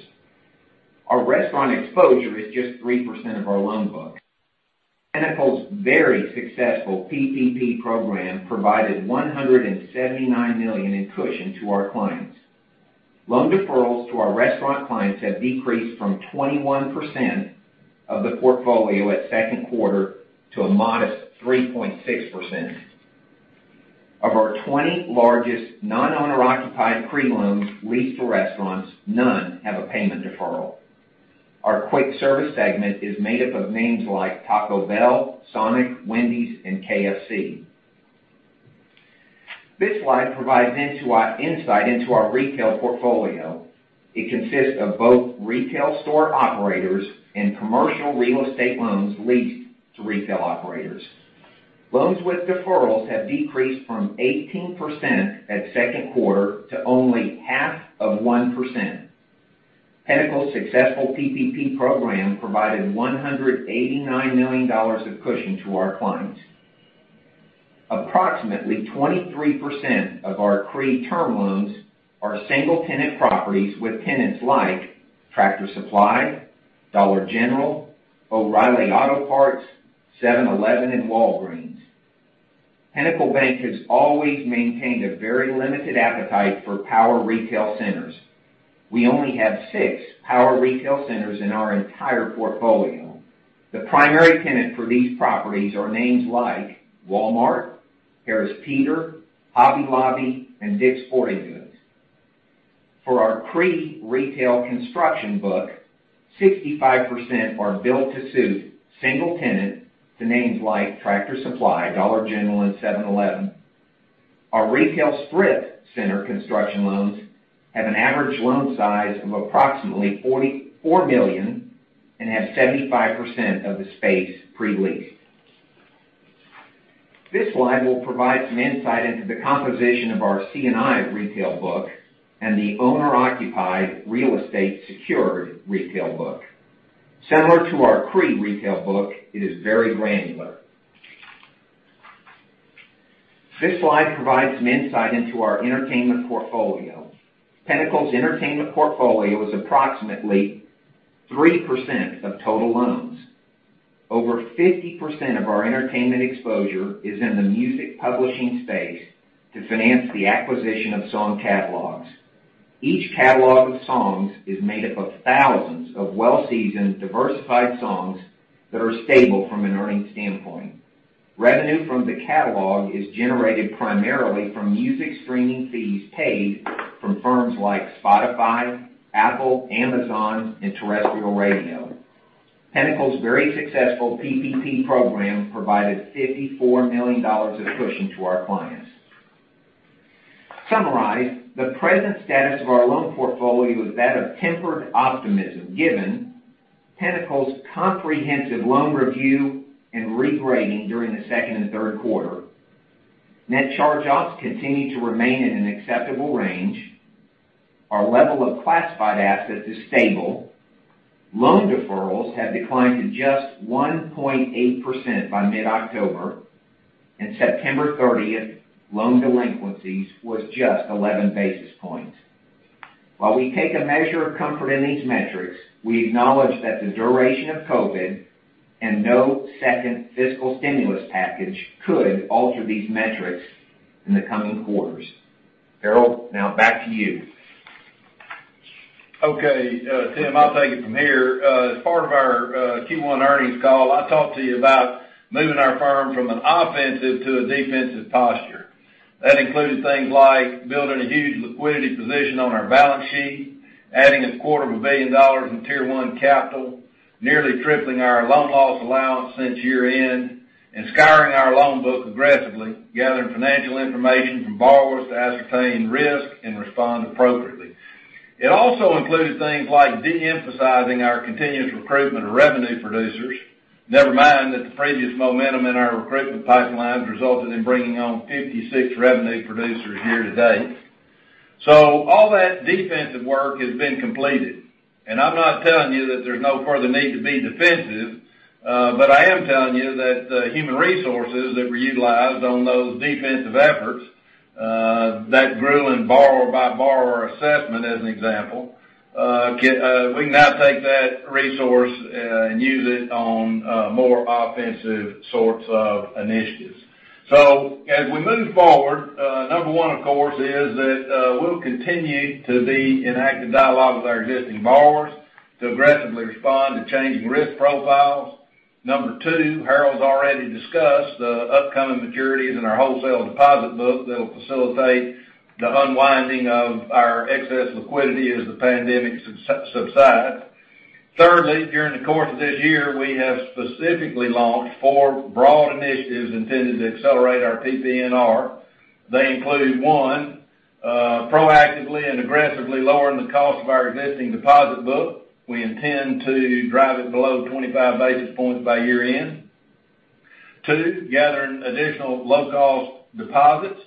Our restaurant exposure is just 3% of our loan book. Pinnacle's very successful PPP program provided $179 million in cushion to our clients. Loan deferrals to our restaurant clients have decreased from 21% of the portfolio at second quarter to a modest 3.6%. Of our 20 largest non-owner occupied CRE loans leased to restaurants, none have a payment deferral. Our quick service segment is made up of names like Taco Bell, Sonic, Wendy's, and KFC. This slide provides insight into our retail portfolio. It consists of both retail store operators and commercial real estate loans leased to retail operators. Loans with deferrals have decreased from 18% at second quarter to only half of 1%. Pinnacle's successful PPP program provided $189 million of cushion to our clients. Approximately 23% of our CRE term loans are single-tenant properties with tenants like Tractor Supply, Dollar General, O'Reilly Auto Parts, 7-Eleven, and Walgreens. Pinnacle Bank has always maintained a very limited appetite for power retail centers. We only have six power retail centers in our entire portfolio. The primary tenant for these properties are names like Walmart, Harris Teeter, Hobby Lobby, and DICK'S Sporting Goods. For our CRE retail construction book, 65% are built to suit single tenant to names like Tractor Supply, Dollar General, and 7-Eleven. Our retail strip center construction loans have an average loan size of approximately $44 million and have 75% of the space pre-leased. This slide will provide some insight into the composition of our C&I retail book and the owner-occupied real estate secured retail book. Similar to our CRE retail book, it is very granular. This slide provides some insight into our entertainment portfolio. Pinnacle's entertainment portfolio is approximately 3% of total loans. Over 50% of our entertainment exposure is in the music publishing space to finance the acquisition of song catalogs. Each catalog of songs is made up of thousands of well-seasoned, diversified songs that are stable from an earnings standpoint. Revenue from the catalog is generated primarily from music streaming fees paid from firms like Spotify, Apple, Amazon, and terrestrial radio. Pinnacle's very successful PPP program provided $54 million of cushion to our clients. To summarize, the present status of our loan portfolio is that of tempered optimism, given Pinnacle's comprehensive loan review and regrading during the second and third quarter. Net charge-offs continue to remain in an acceptable range. Our level of classified assets is stable. Loan deferrals have declined to just 1.8% by mid-October, and September 30th, loan delinquencies was just 11 basis points. While we take a measure of comfort in these metrics, we acknowledge that the duration of COVID and no second fiscal stimulus package could alter these metrics in the coming quarters. Harold, now back to you. Okay, Tim, I'll take it from here. As part of our Q1 earnings call, I talked to you about moving our firm from an offensive to a defensive posture. That included things like building a huge liquidity position on our balance sheet, adding a quarter of a billion dollars in Tier 1 capital, nearly tripling our loan loss allowance since year-end, and scouring our loan book aggressively, gathering financial information from borrowers to ascertain risk and respond appropriately. It also included things like de-emphasizing our continuous recruitment of revenue producers. Never mind that the previous momentum in our recruitment pipelines resulted in bringing on 56 revenue producers year to date. All that defensive work has been completed, and I'm not telling you that there's no further need to be defensive, but I am telling you that the human resources that were utilized on those defensive efforts, that grueling borrower by borrower assessment, as an example, we can now take that resource and use it on more offensive sorts of initiatives. As we move forward, number one, of course, is that we'll continue to be in active dialogue with our existing borrowers to aggressively respond to changing risk profiles. Number two, Harold's already discussed the upcoming maturities in our wholesale deposit book that'll facilitate the unwinding of our excess liquidity as the pandemic subsides. Thirdly, during the course of this year, we have specifically launched four broad initiatives intended to accelerate our PPNR. They include, one, proactively and aggressively lowering the cost of our existing deposit book. We intend to drive it below 25 basis points by year-end. 2, gathering additional low-cost deposits.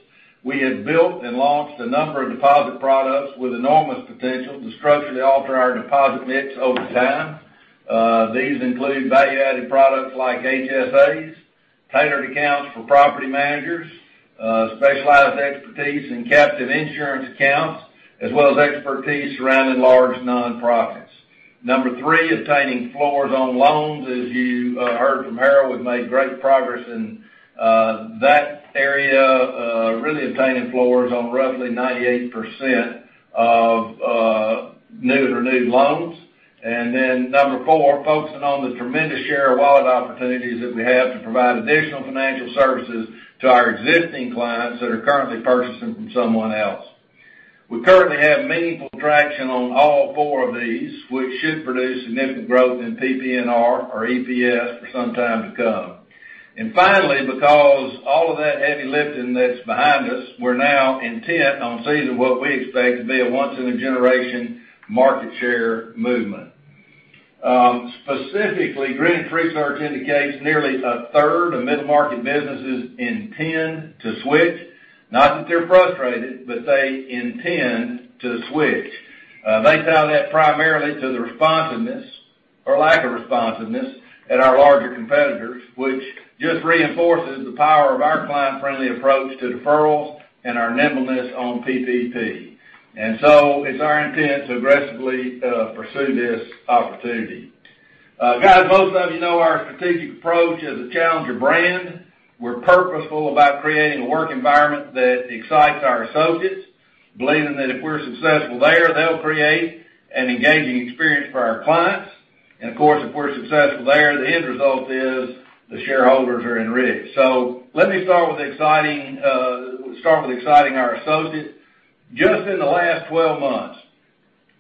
We have built and launched a number of deposit products with enormous potential to structurally alter our deposit mix over time. These include value-added products like HSAs, tailored accounts for property managers, specialized expertise in captive insurance accounts, as well as expertise surrounding large nonprofits. Number three, obtaining floors on loans. As you heard from Harold, we've made great progress in that area, really obtaining floors on roughly 98% of [new to renewed] loans. Number four, focusing on the tremendous share of wallet opportunities that we have to provide additional financial services to our existing clients that are currently purchasing from someone else. We currently have meaningful traction on all four of these, which should produce significant growth in PPNR or EPS for some time to come. Finally, because all of that heavy lifting that's behind us, we're now intent on seizing what we expect to be a once-in-a-generation market share movement. Specifically, Greenwich Associates indicates nearly a third of middle-market businesses intend to switch. Not that they're frustrated, but they intend to switch. They tie that primarily to the responsiveness or lack of responsiveness at our larger competitors, which just reinforces the power of our client-friendly approach to deferrals and our nimbleness on PPP. It's our intent to aggressively pursue this opportunity. Guys, most of you know our strategic approach as a challenger brand. We're purposeful about creating a work environment that excites our associates, believing that if we're successful there, they'll create an engaging experience for our clients. Of course, if we're successful there, the end result is the shareholders are enriched. Let me start with exciting our associates. Just in the last 12 months,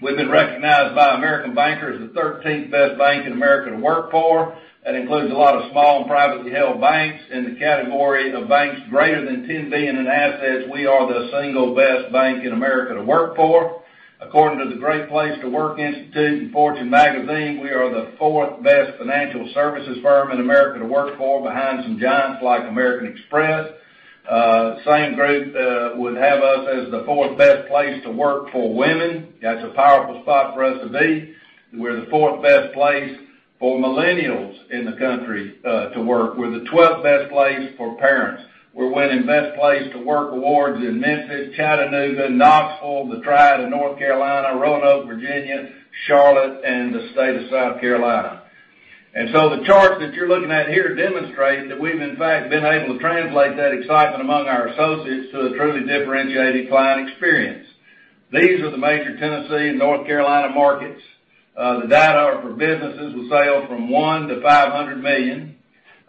we've been recognized by American Banker as the 13th best bank in America to work for. That includes a lot of small and privately held banks. In the category of banks greater than $10 billion in assets, we are the single best bank in America to work for. According to the Great Place to Work Institute and Fortune magazine, we are the fourth best financial services firm in America to work for, behind some giants like American Express. Same group would have us as the fourth best place to work for women. That's a powerful spot for us to be. We're the fourth best place for millennials in the country to work. We're the 12th best place for parents. We're winning Best Place to Work awards in Memphis, Chattanooga, Knoxville, the Triad of North Carolina, Roanoke, Virginia, Charlotte, and the state of South Carolina. The charts that you're looking at here demonstrate that we've in fact been able to translate that excitement among our associates to a truly differentiated client experience. These are the major Tennessee and North Carolina markets. The data are for businesses with sales from one to 500 million.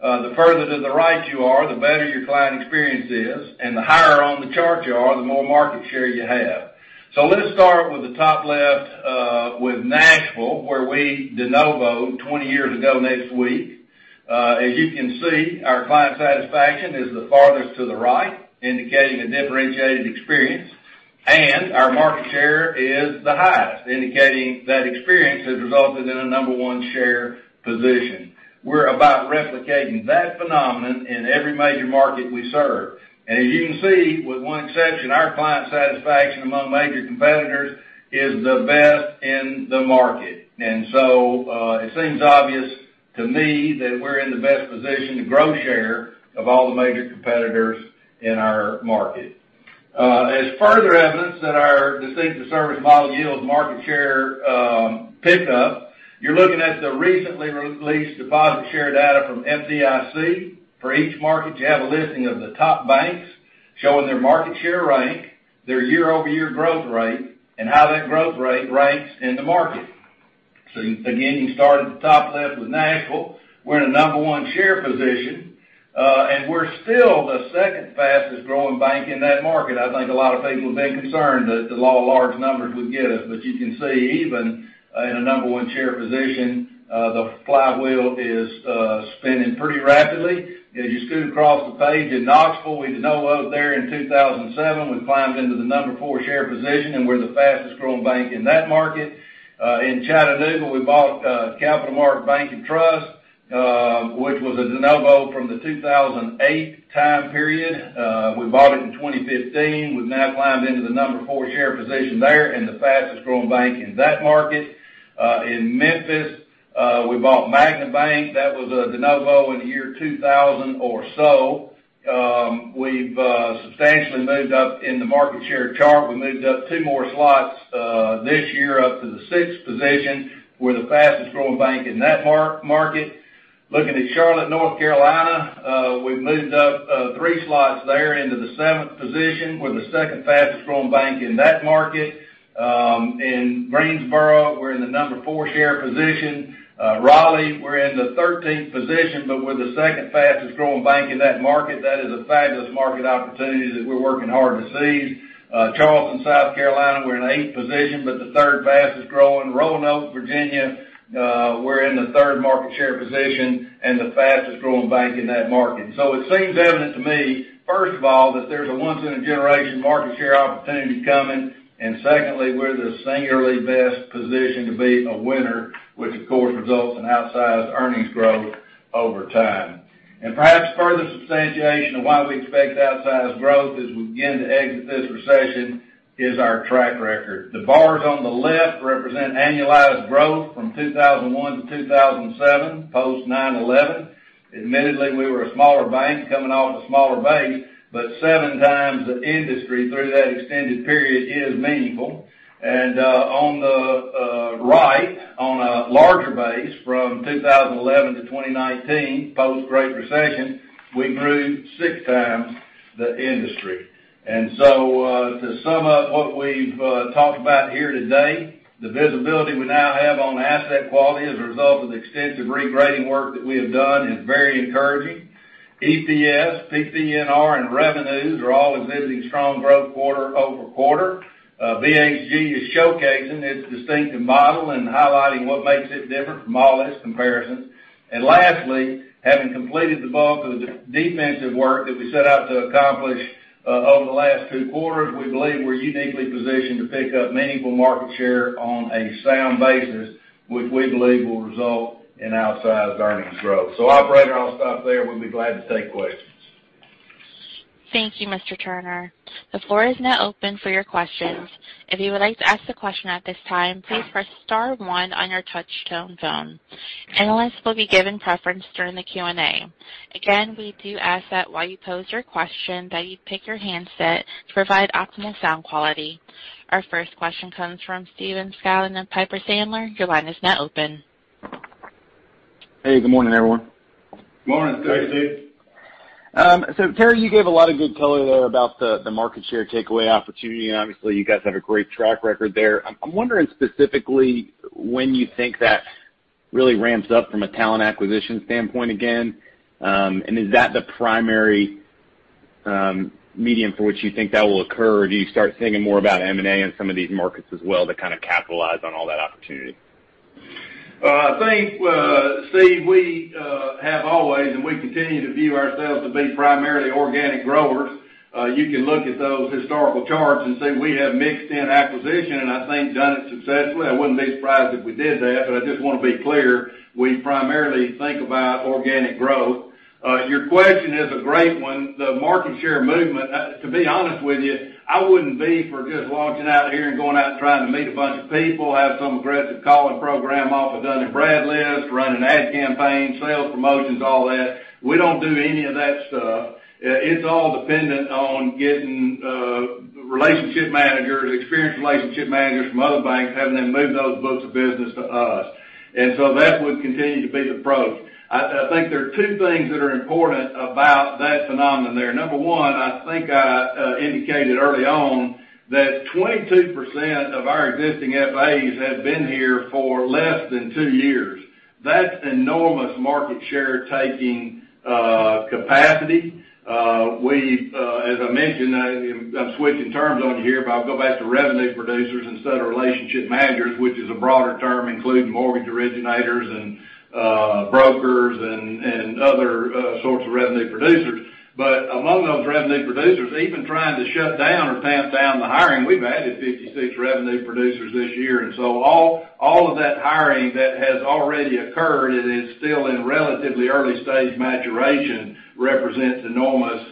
The further to the right you are, the better your client experience is, and the higher on the chart you are, the more market share you have. Let us start with the top left with Nashville, where we de novo'd 20 years ago next week. As you can see, our client satisfaction is the farthest to the right, indicating a differentiated experience, and our market share is the highest, indicating that experience has resulted in a number one share position. We're about replicating that phenomenon in every major market we serve. As you can see, with one exception, our client satisfaction among major competitors is the best in the market. It seems obvious to me that we're in the best position to grow share of all the major competitors in our market. As further evidence that our distinctive service model yields market share pickup, you're looking at the recently released deposit share data from FDIC. For each market, you have a listing of the top banks showing their market share rank, their year-over-year growth rate, and how that growth rate ranks in the market. You start at the top left with Nashville. We're in a number one share position, and we're still the second fastest-growing bank in that market. I think a lot of people have been concerned that the law of large numbers would get us, but you can see even in a number one share position, the flywheel is spinning pretty rapidly. As you scoot across the page, in Knoxville, we de novo'd there in 2007. We climbed into the number four share position, and we're the fastest-growing bank in that market. In Chattanooga, we bought CapitalMark Bank & Trust, which was a de novo from the 2008 time period. We bought it in 2015. We've now climbed into the number four share position there and the fastest-growing bank in that market. In Memphis, we bought Magna Bank. That was a de novo in the year 2000 or so. We've substantially moved up in the market share chart. We moved up two more slots this year up to the sixth position. We're the fastest-growing bank in that market. Looking at Charlotte, North Carolina, we've moved up three slots there into the seventh position. We're the second fastest-growing bank in that market. In Greensboro, we're in the number four share position. Raleigh, we're in the 13th position, but we're the second fastest-growing bank in that market. That is a fabulous market opportunity that we're working hard to seize. Charleston, South Carolina, we're in the eighth position, but the third fastest-growing. Roanoke, Virginia, we're in the third market share position and the fastest-growing bank in that market. It seems evident to me, first of all, that there's a once-in-a-generation market share opportunity coming, and secondly, we're the singularly best positioned to be a winner, which of course, results in outsized earnings growth over time. Perhaps further substantiation of why we expect outsized growth as we begin to exit this recession is our track record. The bars on the left represent annualized growth from 2001 to 2007, post 9/11. Admittedly, we were a smaller bank coming off a smaller base, but 7 times the industry through that extended period is meaningful. On the right, on a larger base from 2011 to 2019, post-Great Recession, we grew six times the industry. To sum up what we've talked about here today, the visibility we now have on asset quality as a result of the extensive regrading work that we have done is very encouraging. EPS, PPNR, and revenues are all exhibiting strong growth quarter-over-quarter. BHG is showcasing its distinctive model and highlighting what makes it different from all its comparisons. Lastly, having completed the bulk of the defensive work that we set out to accomplish over the last two quarters, we believe we're uniquely positioned to pick up meaningful market share on a sound basis, which we believe will result in outsized earnings growth. Operator, I'll stop there. We'll be glad to take questions. Thank you, Mr. Turner. The floor is now open for your questions if you would like to ask question at this time, please press star one on your touchpad telephone. Analysts will be given preference during the Q&A. Again, we do ask that while you pose your question, that you pick your handset to provide optimal sound quality. Our first question comes from Stephen Scouten of Piper Sandler. Your line is now open. Hey, good morning, everyone. Morning, Stephen. Terry, you gave a lot of good color there about the market share takeaway opportunity, and obviously, you guys have a great track record there. I'm wondering specifically when you think that really ramps up from a talent acquisition standpoint again, and is that the primary medium for which you think that will occur, or do you start thinking more about M&A in some of these markets as well to kind of capitalize on all that opportunity? I think, Stephen, we have always, and we continue to view ourselves to be primarily organic growers. You can look at those historical charts and see we have mixed in acquisition and I think done it successfully. I wouldn't be surprised if we did that, but I just want to be clear, we primarily think about organic growth. Your question is a great one. The market share movement, to be honest with you, I wouldn't be for just launching out of here and going out and trying to meet a bunch of people, have some aggressive calling program off of Dun & Bradstreet lists, run an ad campaign, sales promotions, all that. We don't do any of that stuff. It's all dependent on getting relationship managers, experienced relationship managers from other banks, having them move those books of business to us. That would continue to be the approach. I think there are two things that are important about that phenomenon there. Number one, I think I indicated early on that 22% of our existing FAs have been here for less than two years. That's enormous market share taking capacity. As I mentioned, I'm switching terms on you here, but I'll go back to revenue producers instead of relationship managers, which is a broader term, including mortgage originators and brokers and other sorts of revenue producers. Among those revenue producers, even trying to shut down or tamp down the hiring, we've added 56 revenue producers this year. All of that hiring that has already occurred and is still in relatively early stage maturation, represents enormous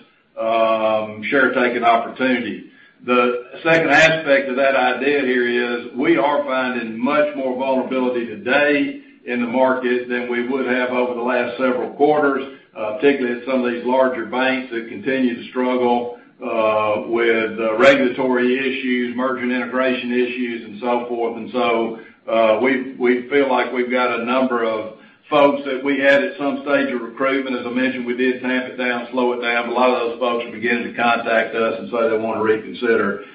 share taking opportunity. The second aspect of that idea here is we are finding much more vulnerability today in the market than we would have over the last several quarters, particularly at some of these larger banks that continue to struggle with regulatory issues, merger and integration issues, and so forth. We feel like we've got a number of folks that we had at some stage of recruitment. As I mentioned, we did tamp it down, slow it down, but a lot of those folks are beginning to contact us and say they want to reconsider.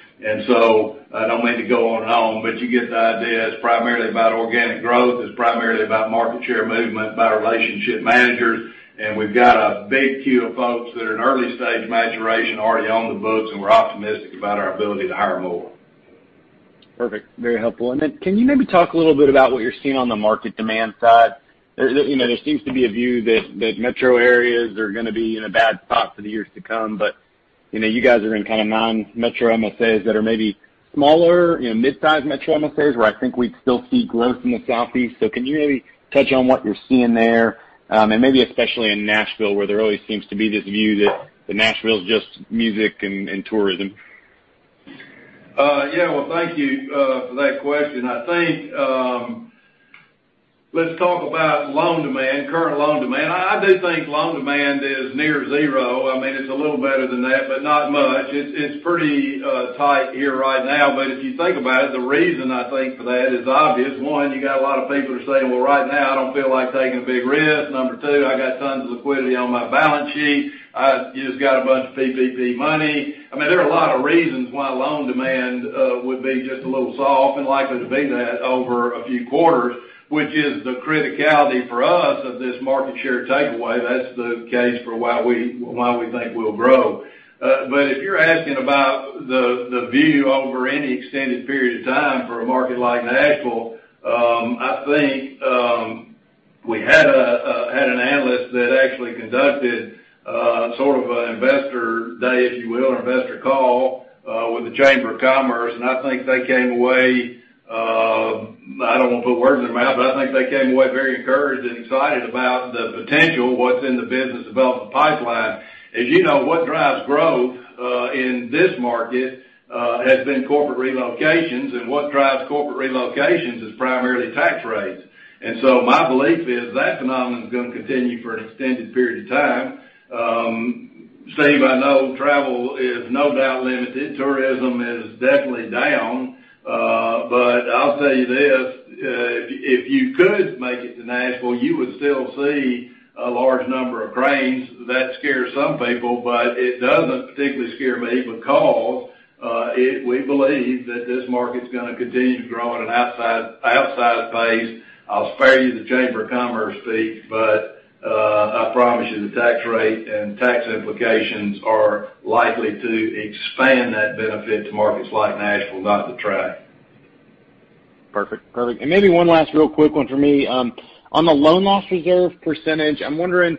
I don't mean to go on and on, but you get the idea. It's primarily about organic growth. It's primarily about market share movement by relationship managers. We've got a big queue of folks that are in early stage maturation already on the books. We're optimistic about our ability to hire more. Perfect. Very helpful. Then can you maybe talk a little bit about what you're seeing on the market demand side? There seems to be a view that metro areas are going to be in a bad spot for the years to come, but you guys are in kind of non-metro MSAs that are maybe smaller, mid-size metro MSAs, where I think we'd still see growth in the Southeast. Can you maybe touch on what you're seeing there? Maybe especially in Nashville, where there always seems to be this view that Nashville is just music and tourism. Well, thank you for that question. I think, let's talk about loan demand, current loan demand. I do think loan demand is near zero. It's a little better than that, but not much. It's pretty tight here right now. If you think about it, the reason I think for that is obvious. One, you got a lot of people who are saying, "Well, right now I don't feel like taking a big risk." Number two, "I got tons of liquidity on my balance sheet." You just got a bunch of PPP money. There are a lot of reasons why loan demand would be just a little soft and likely to be that over a few quarters, which is the criticality for us of this market share takeaway. That's the case for why we think we'll grow. If you're asking about the view over any extended period of time for a market like Nashville, I think we had an analyst that actually conducted sort of an investor day, if you will, or investor call, with the Chamber of Commerce, I think they came away, I don't want to put words in their mouth, I think they came away very encouraged and excited about the potential what's in the business development pipeline. As you know, what drives growth in this market has been corporate relocations, what drives corporate relocations is primarily tax rates. My belief is that phenomenon is going to continue for an extended period of time. Stephen, I know travel is no doubt limited. Tourism is definitely down. I'll tell you this, if you could make it to Nashville, you would still see a large number of cranes. That scares some people, but it doesn't particularly scare me because we believe that this market's going to continue to grow at an outsized pace. I'll spare you the Chamber of Commerce fee, but I promise you the tax rate and tax implications are likely to expand that benefit to markets like Nashville, not detract. Perfect. Maybe one last real quick one for me. On the loan loss reserve percentage, I'm wondering,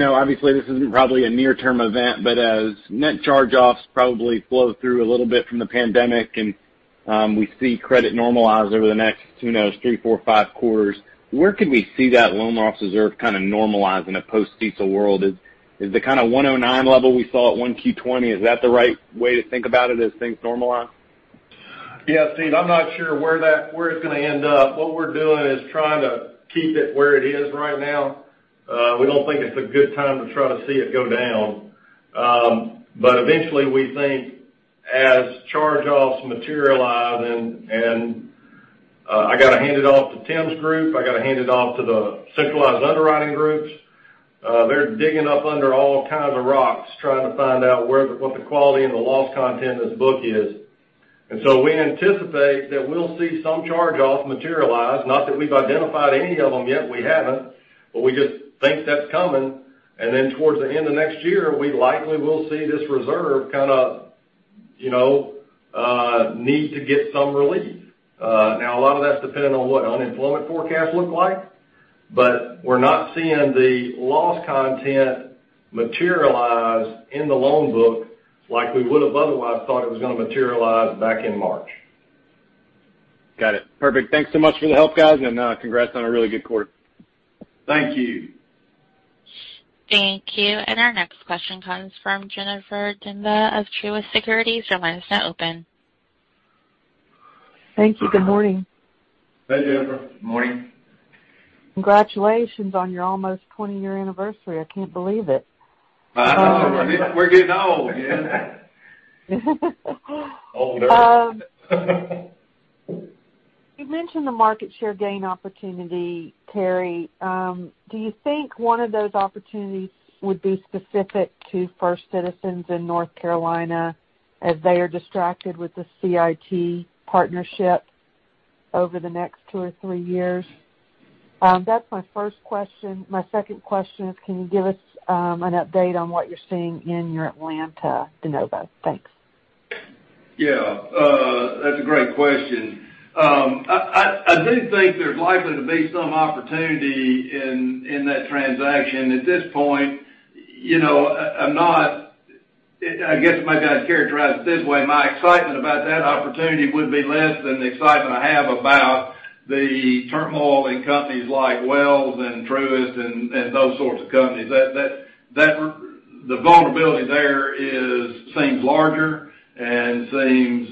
obviously, this isn't probably a near-term event, but as net charge-offs probably flow through a little bit from the pandemic and we see credit normalize over the next, who knows, three, four, five quarters, where can we see that loan loss reserve kind of normalize in a post-CECL world? Is the kind of 109 level we saw at 1Q 2020, is that the right way to think about it as things normalize? Yeah, Steven, I'm not sure where that, where it's going to end up. What we're doing is trying to keep it where it is right now. We don't think it's a good time to try to see it go down. Eventually we think as charge-offs materialize and I got to hand it off to Tim's group. I got to hand it off to the centralized underwriting groups. They're digging up under all kinds of rocks trying to find out what the quality and the loss content of this book is. We anticipate that we'll see some charge-offs materialize. Not that we've identified any of them yet, we haven't, but we just think that's coming. Towards the end of next year, we likely will see this reserve kind of need to get some relief. A lot of that's dependent on what unemployment forecasts look like, but we're not seeing the loss content materialize in the loan book like we would have otherwise thought it was going to materialize back in March. Got it. Perfect. Thanks so much for the help, guys, and congrats on a really good quarter. Thank you. Thank you. Our next question comes from Jennifer Demba of Truist Securities. Your line is now open. Thank you. Good morning. Hey, Jennifer. Good morning. Congratulations on your almost 20-year anniversary. I can't believe it. I know. We're getting old. Oh, no. You mentioned the market share gain opportunity, Terry. Do you think one of those opportunities would be specific to First Citizens in North Carolina as they are distracted with the CIT partnership over the next two or three years? That's my first question. My second question is, can you give us an update on what you're seeing in your Atlanta de novo? Thanks. Yeah. That's a great question. I do think there's likely to be some opportunity in that transaction. At this point, maybe I'd characterize it this way, my excitement about that opportunity would be less than the excitement I have about the turmoil in companies like Wells and Truist and those sorts of companies. The vulnerability there seems larger and seems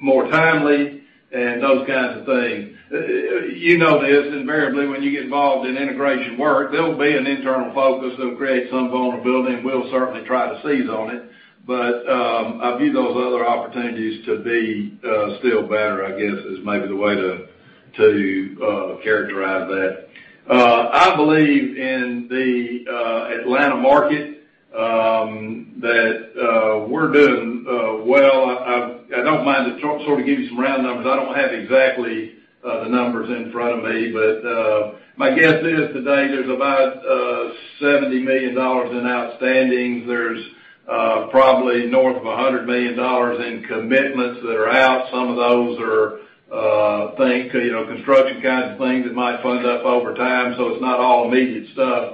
more timely and those kinds of things. You know this, invariably, when you get involved in integration work, there'll be an internal focus that'll create some vulnerability, and we'll certainly try to seize on it. I view those other opportunities to be still better, I guess, is maybe the way to characterize that. I believe in the Atlanta market, that we're doing well. I don't mind to sort of give you some round numbers. I don't have exactly the numbers in front of me, but my guess is today there's about $70 million in outstandings. There's probably north of $100 million in commitments that are out. Some of those are construction kinds of things that might fund up over time, it's not all immediate stuff.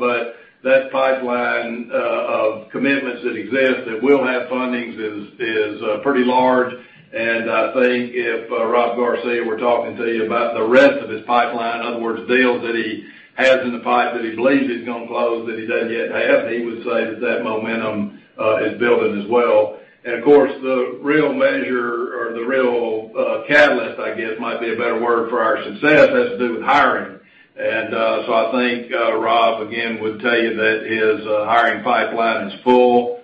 That pipeline of commitments that exist that will have fundings is pretty large. I think if Rob Garcia were talking to you about the rest of his pipeline, in other words, deals that he has in the pipe that he believes he's going to close that he doesn't yet have, he would say that that momentum is building as well. Of course, the real measure or the real catalyst, I guess, might be a better word for our success, has to do with hiring. I think Rob, again, would tell you that his hiring pipeline is full.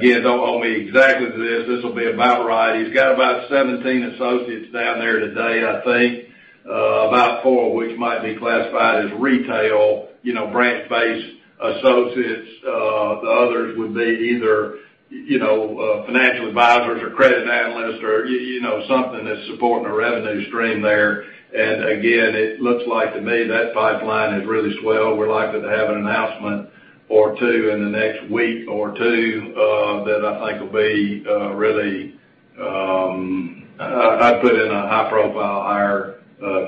Don't hold me exactly to this. This will be about right. He's got about 17 associates down there today, I think, about four of which might be classified as retail, branch-based associates. The others would be either financial advisors or credit analysts or something that's supporting a revenue stream there. It looks like to me, that pipeline is really swell. We're likely to have an announcement or two in the next week or two that I think will be really, I'd put in a high-profile hire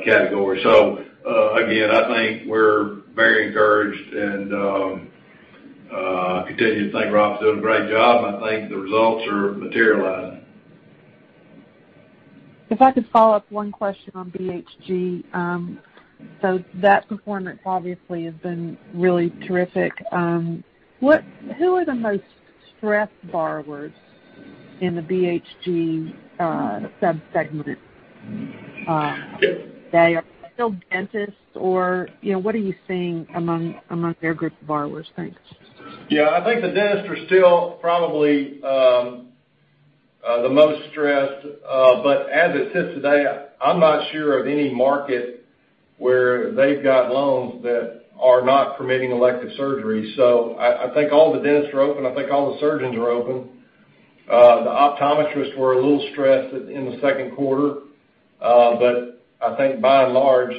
category. I think we're very encouraged and, continue to think Rob's doing a great job. I think the results are materializing. If I could follow up one question on BHG. That performance obviously has been really terrific. Who are the most stressed borrowers in the BHG sub-segment today? Are they still dentists, or what are you seeing among their group of borrowers? Thanks. Yeah. I think the dentists are still probably the most stressed. As it sits today, I'm not sure of any market where they've got loans that are not permitting elective surgery. I think all the dentists are open. I think all the surgeons are open. The optometrists were a little stressed in the second quarter. I think by and large,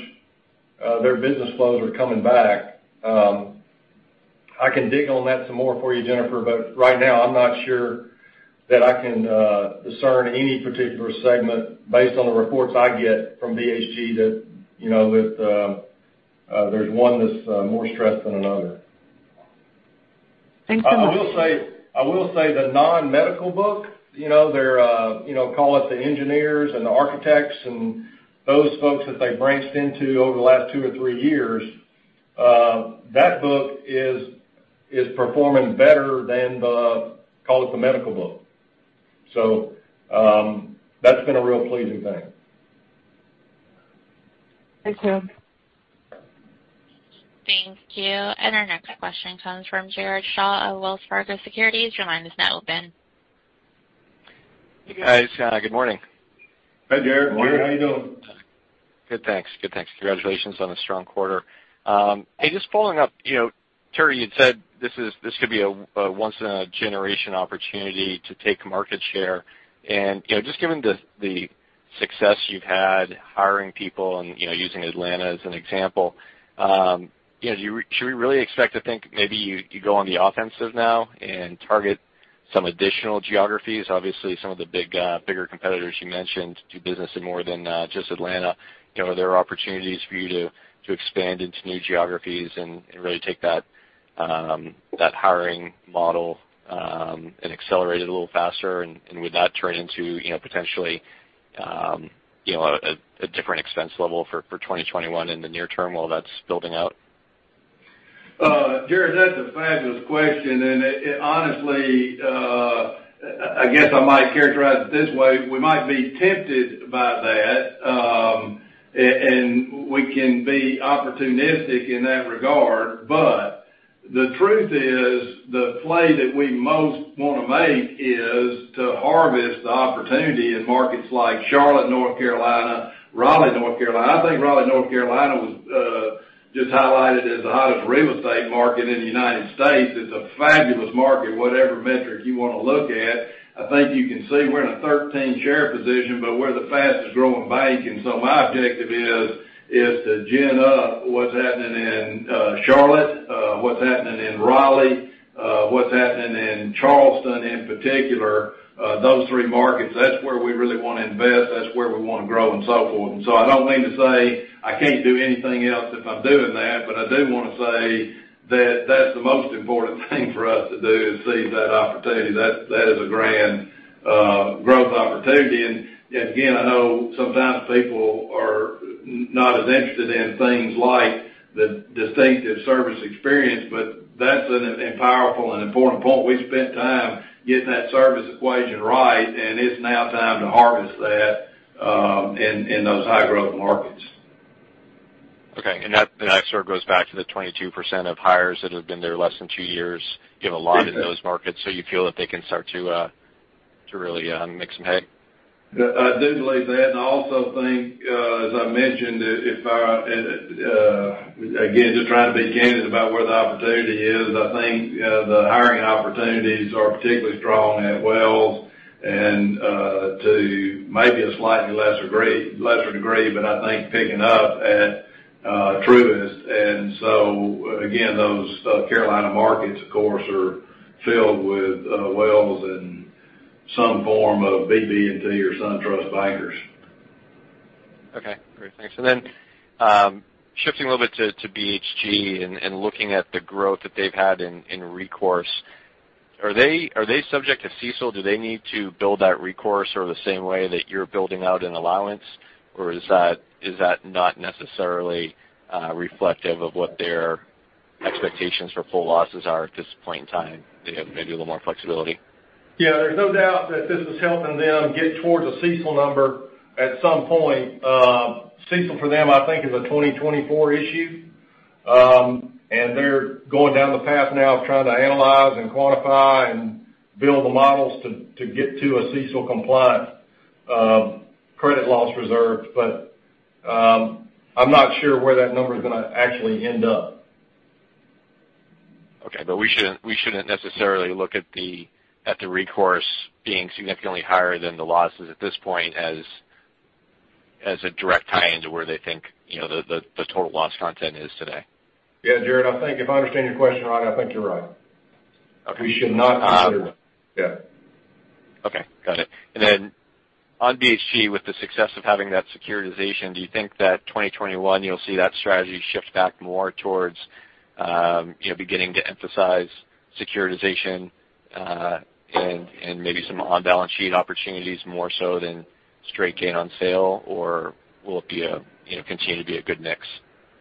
their business flows are coming back. I can dig on that some more for you, Jennifer, but right now I'm not sure that I can discern any particular segment based on the reports I get from BHG that there's one that's more stressed than another. Thanks so much. I will say the non-medical book, call it the engineers and the architects and those folks that they branched into over the last two or three years, that book is performing better than the, call it the medical book. That's been a real pleasing thing. Thanks, Terry. Thank you. Our next question comes from Jared Shaw of Wells Fargo Securities. Your line is now open. Hi. Good morning. Hi, Jared. How you doing? Good, thanks. Congratulations on a strong quarter. Hey, just following up, Terry, you'd said this could be a once in a generation opportunity to take market share. Just given the success you've had hiring people and using Atlanta as an example, should we really expect to think maybe you go on the offensive now and target some additional geographies? Obviously, some of the bigger competitors you mentioned do business in more than just Atlanta. Are there opportunities for you to expand into new geographies and really take that hiring model and accelerate it a little faster? Would that turn into potentially, a different expense level for 2021 in the near term while that's building out? Jared, that's a fabulous question. Honestly, I guess I might characterize it this way. We might be tempted by that. We can be opportunistic in that regard. The truth is, the play that we most want to make is to harvest the opportunity in markets like Charlotte, North Carolina, Raleigh, North Carolina. I think Raleigh, North Carolina was just highlighted as the hottest real estate market in the U.S. It's a fabulous market, whatever metric you want to look at. I think you can see we're in a 13 share position, but we're the fastest-growing bank. My objective is to gin up what's happening in Charlotte, what's happening in Raleigh, what's happening in Charleston, in particular. Those three markets, that's where we really want to invest, that's where we want to grow, and so forth. I don't mean to say I can't do anything else if I'm doing that, but I do want to say that that's the most important thing for us to do, to seize that opportunity. That is a grand growth opportunity. Again, I know sometimes people are not as interested in things like the distinctive service experience, but that's a powerful and important point. We spent time getting that service equation right, and it's now time to harvest that in those high-growth markets. Okay. That sort of goes back to the 22% of hires that have been there less than two years, you have a lot in those markets. You feel that they can start to really make some hay? I do believe that. I also think, as I mentioned, again, just trying to be candid about where the opportunity is. I think, the hiring opportunities are particularly strong at Wells and to maybe a slightly lesser degree, but I think picking up at Truist. Again, those South Carolina markets, of course, are filled with Wells and some form of BB&T or SunTrust bankers. Okay. Great. Thanks. Shifting a little bit to BHG and looking at the growth that they've had in recourse. Are they subject to CECL? Do they need to build that recourse or the same way that you're building out an allowance? Is that not necessarily reflective of what their expectations for full losses are at this point in time? They have maybe a little more flexibility. Yeah, there's no doubt that this is helping them get towards a CECL number at some point. CECL for them, I think, is a 2024 issue. They're going down the path now of trying to analyze and quantify and build the models to get to a CECL compliant credit loss reserve. I'm not sure where that number is going to actually end up. Okay. We shouldn't necessarily look at the recourse being significantly higher than the losses at this point as a direct tie-in to where they think the total loss content is today. Jared, if I understand your question right, I think you're right. Okay. We should not consider that. Yeah. Okay. Got it. On BHG, with the success of having that securitization, do you think that 2021, you'll see that strategy shift back more towards beginning to emphasize securitization, and maybe some on-balance sheet opportunities more so than straight gain on sale? Will it continue to be a good mix?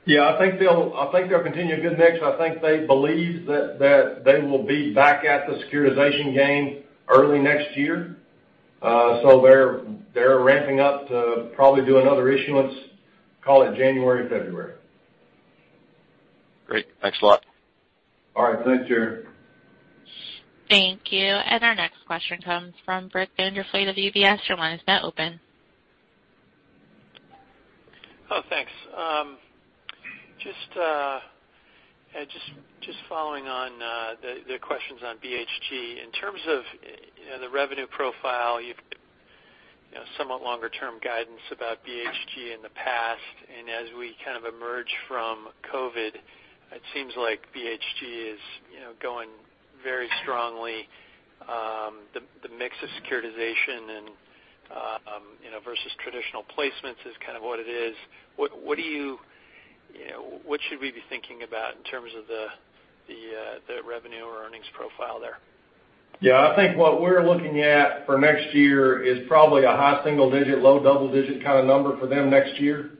Yeah, I think they'll continue a good mix. I think they believe that they will be back at the securitization game early next year. They're ramping up to probably do another issuance, call it January, February. Great. Thanks a lot. All right. Thanks, Jared. Thank you. Our next question comes from Brock Vandervliet of UBS. Your line is now open. Hello. Thanks. Just following on the questions on BHG. In terms of the revenue profile, you've somewhat longer-term guidance about BHG in the past. As we kind of emerge from COVID, it seems like BHG is going very strongly. The mix of securitization versus traditional placements is kind of what it is. What should we be thinking about in terms of the revenue or earnings profile there? Yeah, I think what we're looking at for next year is probably a high single digit, low double digit kind of number for them next year.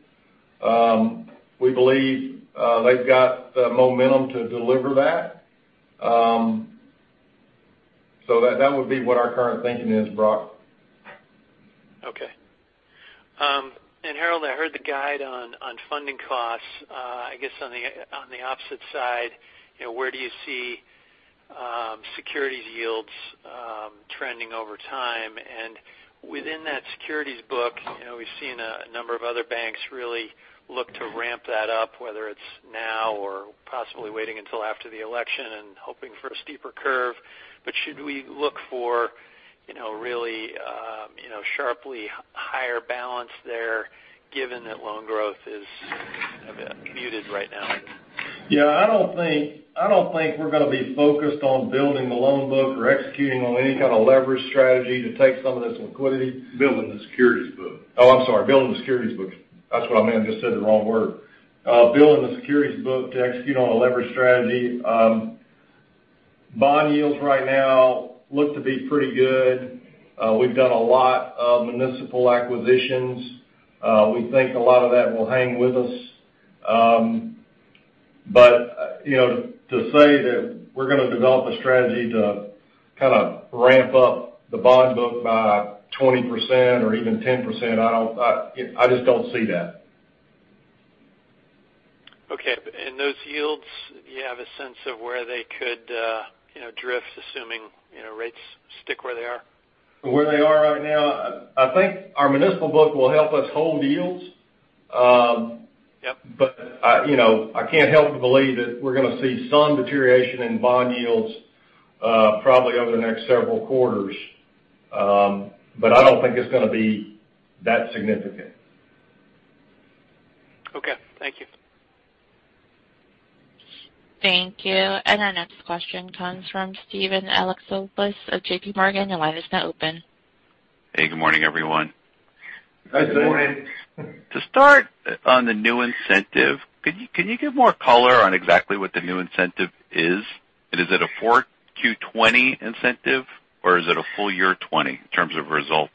We believe they've got the momentum to deliver that. That would be what our current thinking is, Brock. Okay. Harold, I heard the guide on funding costs. I guess on the opposite side, where do you see securities yields trending over time? Within that securities book, we've seen a number of other banks really look to ramp that up, whether it's now or possibly waiting until after the election and hoping for a steeper curve. Should we look for really sharply higher balance there given that loan growth is kind of muted right now? Yeah, I don't think we're going to be focused on building the loan book or executing on any kind of leverage strategy to take some of this liquidity. Building the securities book. Oh, I'm sorry. Building the securities book. That's what I meant. Just said the wrong word. Building the securities book to execute on a leverage strategy. Bond yields right now look to be pretty good. We've done a lot of municipal acquisitions. We think a lot of that will hang with us. To say that we're going to develop a strategy to kind of ramp up the bond book by 20% or even 10%, I just don't see that. Okay. Those yields, do you have a sense of where they could drift, assuming rates stick where they are? Where they are right now, I think our municipal book will help us hold yields. Yep. I can't help to believe that we're going to see some deterioration in bond yields, probably over the next several quarters. I don't think it's going to be that significant. Okay. Thank you. Thank you. Our next question comes from Steven Alexopoulos of JPMorgan. Your line is now open. Hey, good morning, everyone. Good morning. To start on the new incentive, can you give more color on exactly what the new incentive is? Is it a 4Q20 incentive, or is it a full year 2020, in terms of results?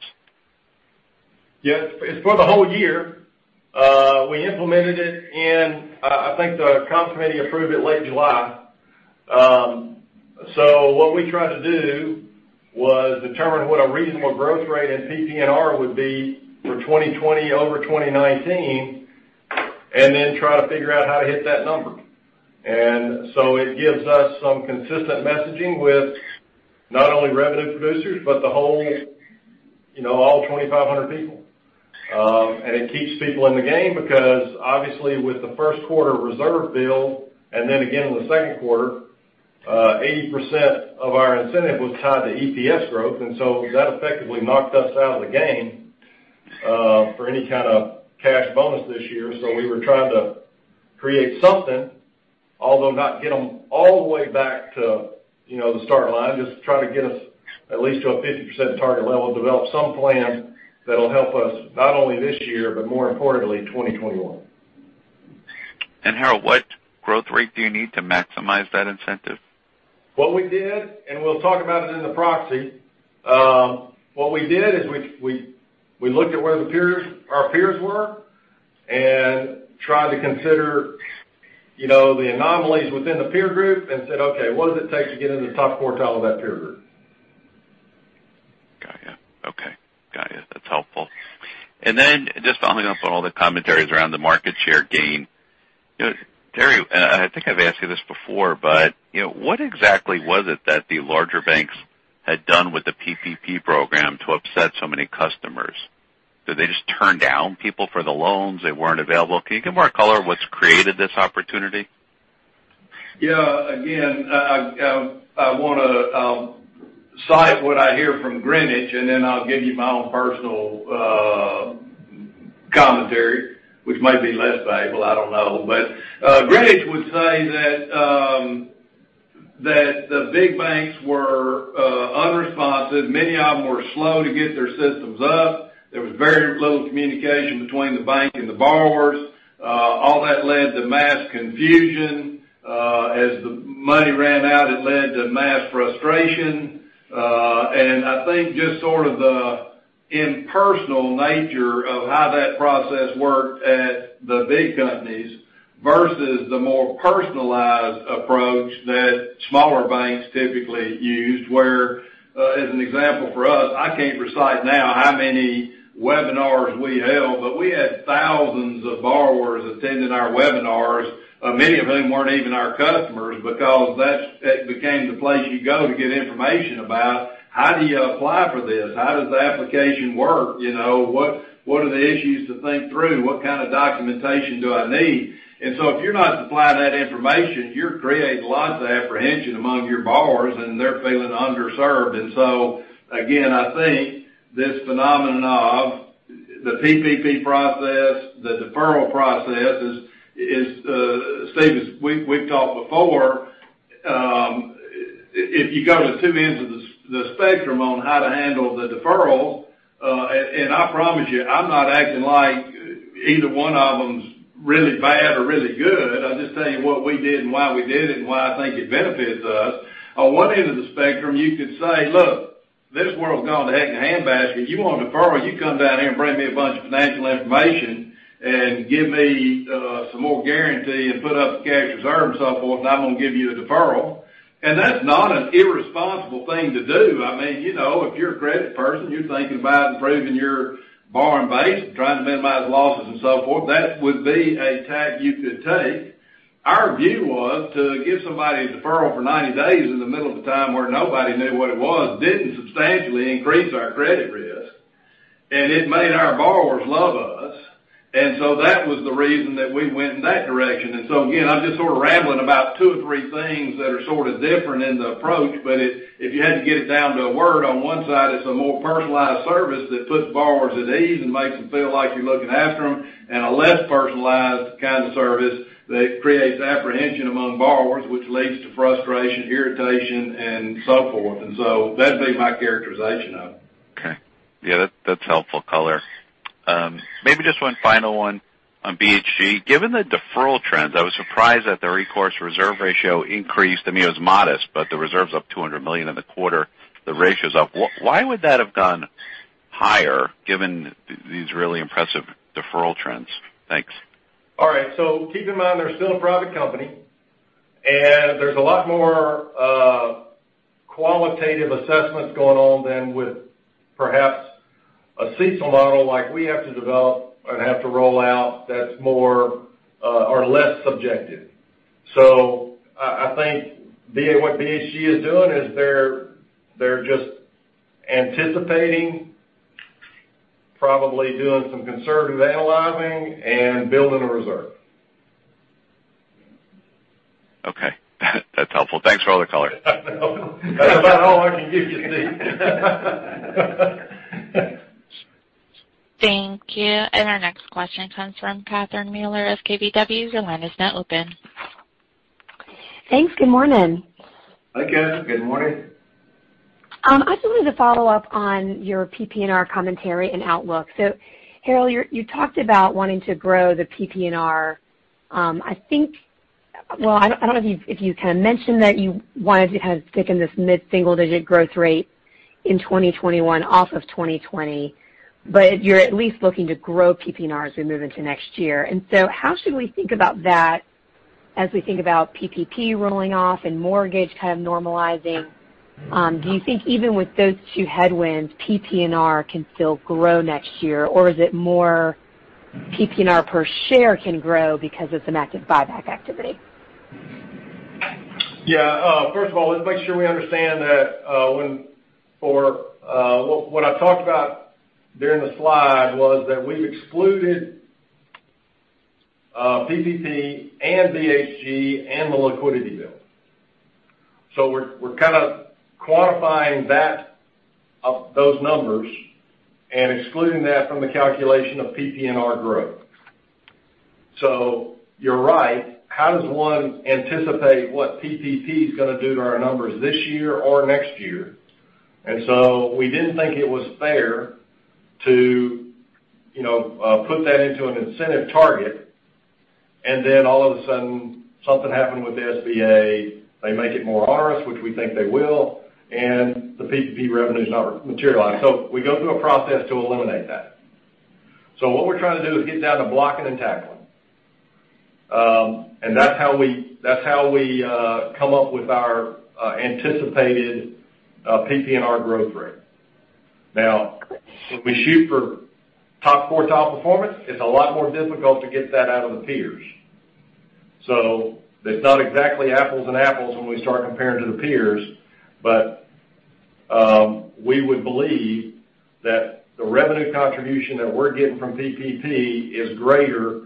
Yes. It's for the whole year. We implemented it in, I think the comps committee approved it late July. What we tried to do was determine what a reasonable growth rate in PPNR would be for 2020 over 2019, and then try to figure out how to hit that number. It gives us some consistent messaging with not only revenue producers, but all 2,500 people. It keeps people in the game because obviously with the first quarter reserve build, and then again in the second quarter, 80% of our incentive was tied to EPS growth. That effectively knocked us out of the game, for any kind of cash bonus this year. We were trying to create something, although not get them all the way back to the start line, just try to get us at least to a 50% target level, develop some plan that'll help us not only this year, but more importantly, 2021. Harold, what growth rate do you need to maximize that incentive? What we did, and we'll talk about it in the proxy. What we did is we looked at where our peers were and tried to consider the anomalies within the peer group and said, "Okay, what does it take to get into the top quartile of that peer group? Got you. Okay. Got you. That's helpful. Just following up on all the commentaries around the market share gain. Terry, I think I've asked you this before, but what exactly was it that the larger banks had done with the PPP program to upset so many customers? Did they just turn down people for the loans? They weren't available. Can you give more color on what's created this opportunity? Yeah. Again, I want to cite what I hear from Greenwich, and then I'll give you my own personal commentary, which may be less valuable, I don't know. Greenwich would say that the big banks were unresponsive. Many of them were slow to get their systems up. There was very little communication between the bank and the borrowers. All that led to mass confusion. As the money ran out, it led to mass frustration. I think just sort of the impersonal nature of how that process worked at the big companies versus the more personalized approach that smaller banks typically used, where, as an example for us, I can't recite now how many webinars we held, but we had thousands of borrowers attending our webinars, many of whom weren't even our customers because that became the place you go to get information about how do you apply for this, how does the application work? What are the issues to think through? What kind of documentation do I need? If you're not supplying that information, you're creating lots of apprehension among your borrowers, and they're feeling underserved. Again, I think this phenomenon of the PPP process, the deferral process is, Steve, we've talked before, if you go to the two ends of the spectrum on how to handle the deferral, I promise you, I'm not acting like either one of them is really bad or really good. I'll just tell you what we did and why we did it and why I think it benefits us. On one end of the spectrum, you could say, "Look, this world's gone to heck in a handbasket. You want a deferral, you come down here and bring me a bunch of financial information and give me some more guarantee and put up cash reserve and so forth, and I'm going to give you a deferral." That's not an irresponsible thing to do. If you're a credit person, you're thinking about improving your borrowing base and trying to minimize losses and so forth. That would be a tack you could take. Our view was to give somebody a deferral for 90 days in the middle of a time where nobody knew what it was, didn't substantially increase our credit risk. It made our borrowers love us. That was the reason that we went in that direction. Again, I'm just sort of rambling about two or three things that are sort of different in the approach. If you had to get it down to a word on one side, it's a more personalized service that puts borrowers at ease and makes them feel like you're looking after them, and a less personalized kind of service that creates apprehension among borrowers, which leads to frustration, irritation, and so forth. That'd be my characterization of it. Okay. Yeah, that's helpful color. Maybe just one final one on BHG. Given the deferral trends, I was surprised that the recourse reserve ratio increased. I mean, it was modest, but the reserves up $200 million in the quarter, the ratio's up. Why would that have gone? Higher given these really impressive deferral trends? Thanks. All right. Keep in mind, they're still a private company, and there's a lot more qualitative assessments going on than with perhaps a CECL model like we have to develop and have to roll out that's less subjective. I think what BHG is doing is they're just anticipating, probably doing some conservative analyzing, and building a reserve. Okay. That's helpful. Thanks for all the color. I know. That's about all I can give you, Steve. Thank you. Our next question comes from Catherine Mealor of KBW. Your line is now open. Thanks. Good morning. Hi, Kat. Good morning. I just wanted to follow up on your PPNR commentary and outlook. Harold, you talked about wanting to grow the PPNR. I don't know if you mentioned that you wanted to stick in this mid-single-digit growth rate in 2021 off of 2020, but you're at least looking to grow PPNR as we move into next year. How should we think about that as we think about PPP rolling off and mortgage kind of normalizing? Do you think even with those two headwinds, PPNR can still grow next year? Is it more PPNR per share can grow because of some active buyback activity? Yeah. First of all, let's make sure we understand that what I talked about during the slide was that we've excluded PPP and BHG and the liquidity build. We're kind of quantifying those numbers and excluding that from the calculation of PPNR growth. You're right. How does one anticipate what PPP's going to do to our numbers this year or next year? We didn't think it was fair to put that into an incentive target, and then all of a sudden, something happened with the SBA. They make it more onerous, which we think they will, and the PPP revenue's not materialized. We go through a process to eliminate that. What we're trying to do is get down to blocking and tackling. That's how we come up with our anticipated PPNR growth rate. Now, when we shoot for top quartile performance, it's a lot more difficult to get that out of the peers. It's not exactly apples and apples when we start comparing to the peers, but we would believe that the revenue contribution that we're getting from PPP is greater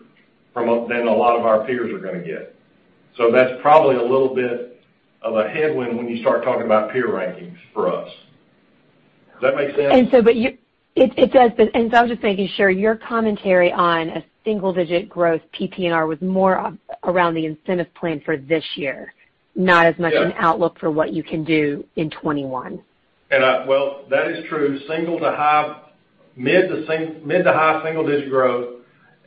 than a lot of our peers are going to get. That's probably a little bit of a headwind when you start talking about peer rankings for us. Does that make sense? It does. I was just making sure, your commentary on a single-digit growth PPNR was more around the incentive plan for this year, not as much. Yes an outlook for what you can do in 2021. Well, that is true. Mid to high single-digit growth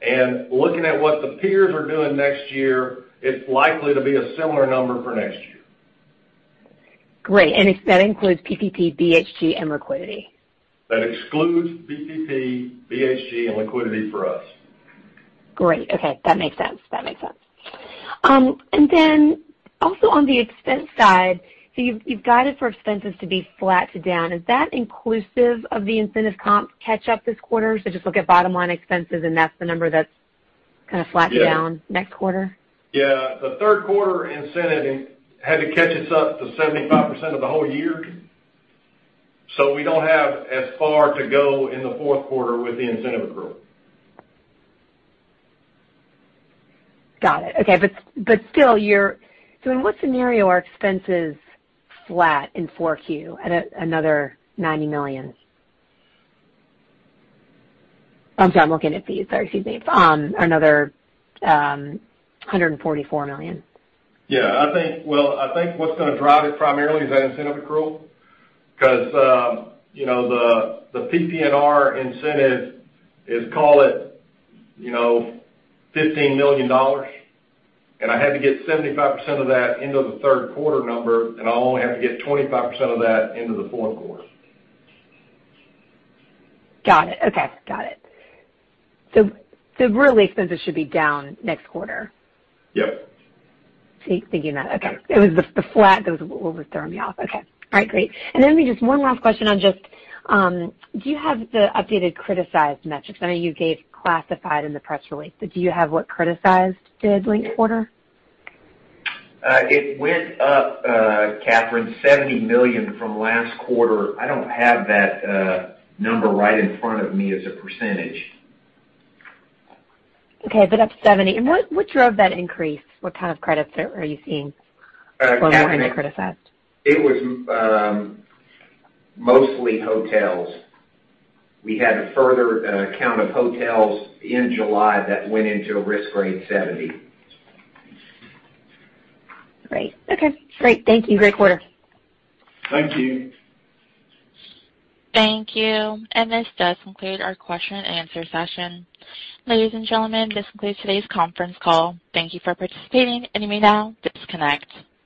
and looking at what the peers are doing next year, it's likely to be a similar number for next year. Great. That includes PPP, BHG, and liquidity? That excludes PPP, BHG, and liquidity for us. Great. Okay. That makes sense. Also on the expense side, you've guided for expenses to be flat to down. Is that inclusive of the incentive comp catch-up this quarter? Just look at bottom-line expenses, and that's the number that's kind of flat to down? Yeah next quarter? The third quarter incentive had to catch us up to 75% of the whole year. We don't have as far to go in the fourth quarter with the incentive accrual. Got it. Okay. Still, in what scenario are expenses flat in 4Q at another $90 million? I'm sorry. I'm looking at these. Sorry, excuse me. Another $144 million. Yeah. Well, I think what's going to drive it primarily is that incentive accrual because the PPNR incentive is, call it $15 million, I had to get 75% of that into the third quarter number, I only have to get 25% of that into the fourth quarter. Got it. Okay. Got it. Really, expenses should be down next quarter. Yep. See, thinking that. Okay. It was the flat that was what was throwing me off. Okay. All right, great. Then maybe just one last question on just, do you have the updated criticized metrics? I know you gave classified in the press release, do you have what criticized did late quarter? It went up, Catherine, $70 million from last quarter. I don't have that number right in front of me as a percentage. Okay. Up 70. What drove that increase? What kind of credits are you seeing- Catherine for more in criticized? It was mostly hotels. We had a further count of hotels in July that went into risk grade 70. Great. Okay. Great. Thank you. Great quarter. Thank you. Thank you. This does conclude our question-and-answer session. Ladies and gentlemen, this concludes today's conference call. Thank you for participating. You may now disconnect.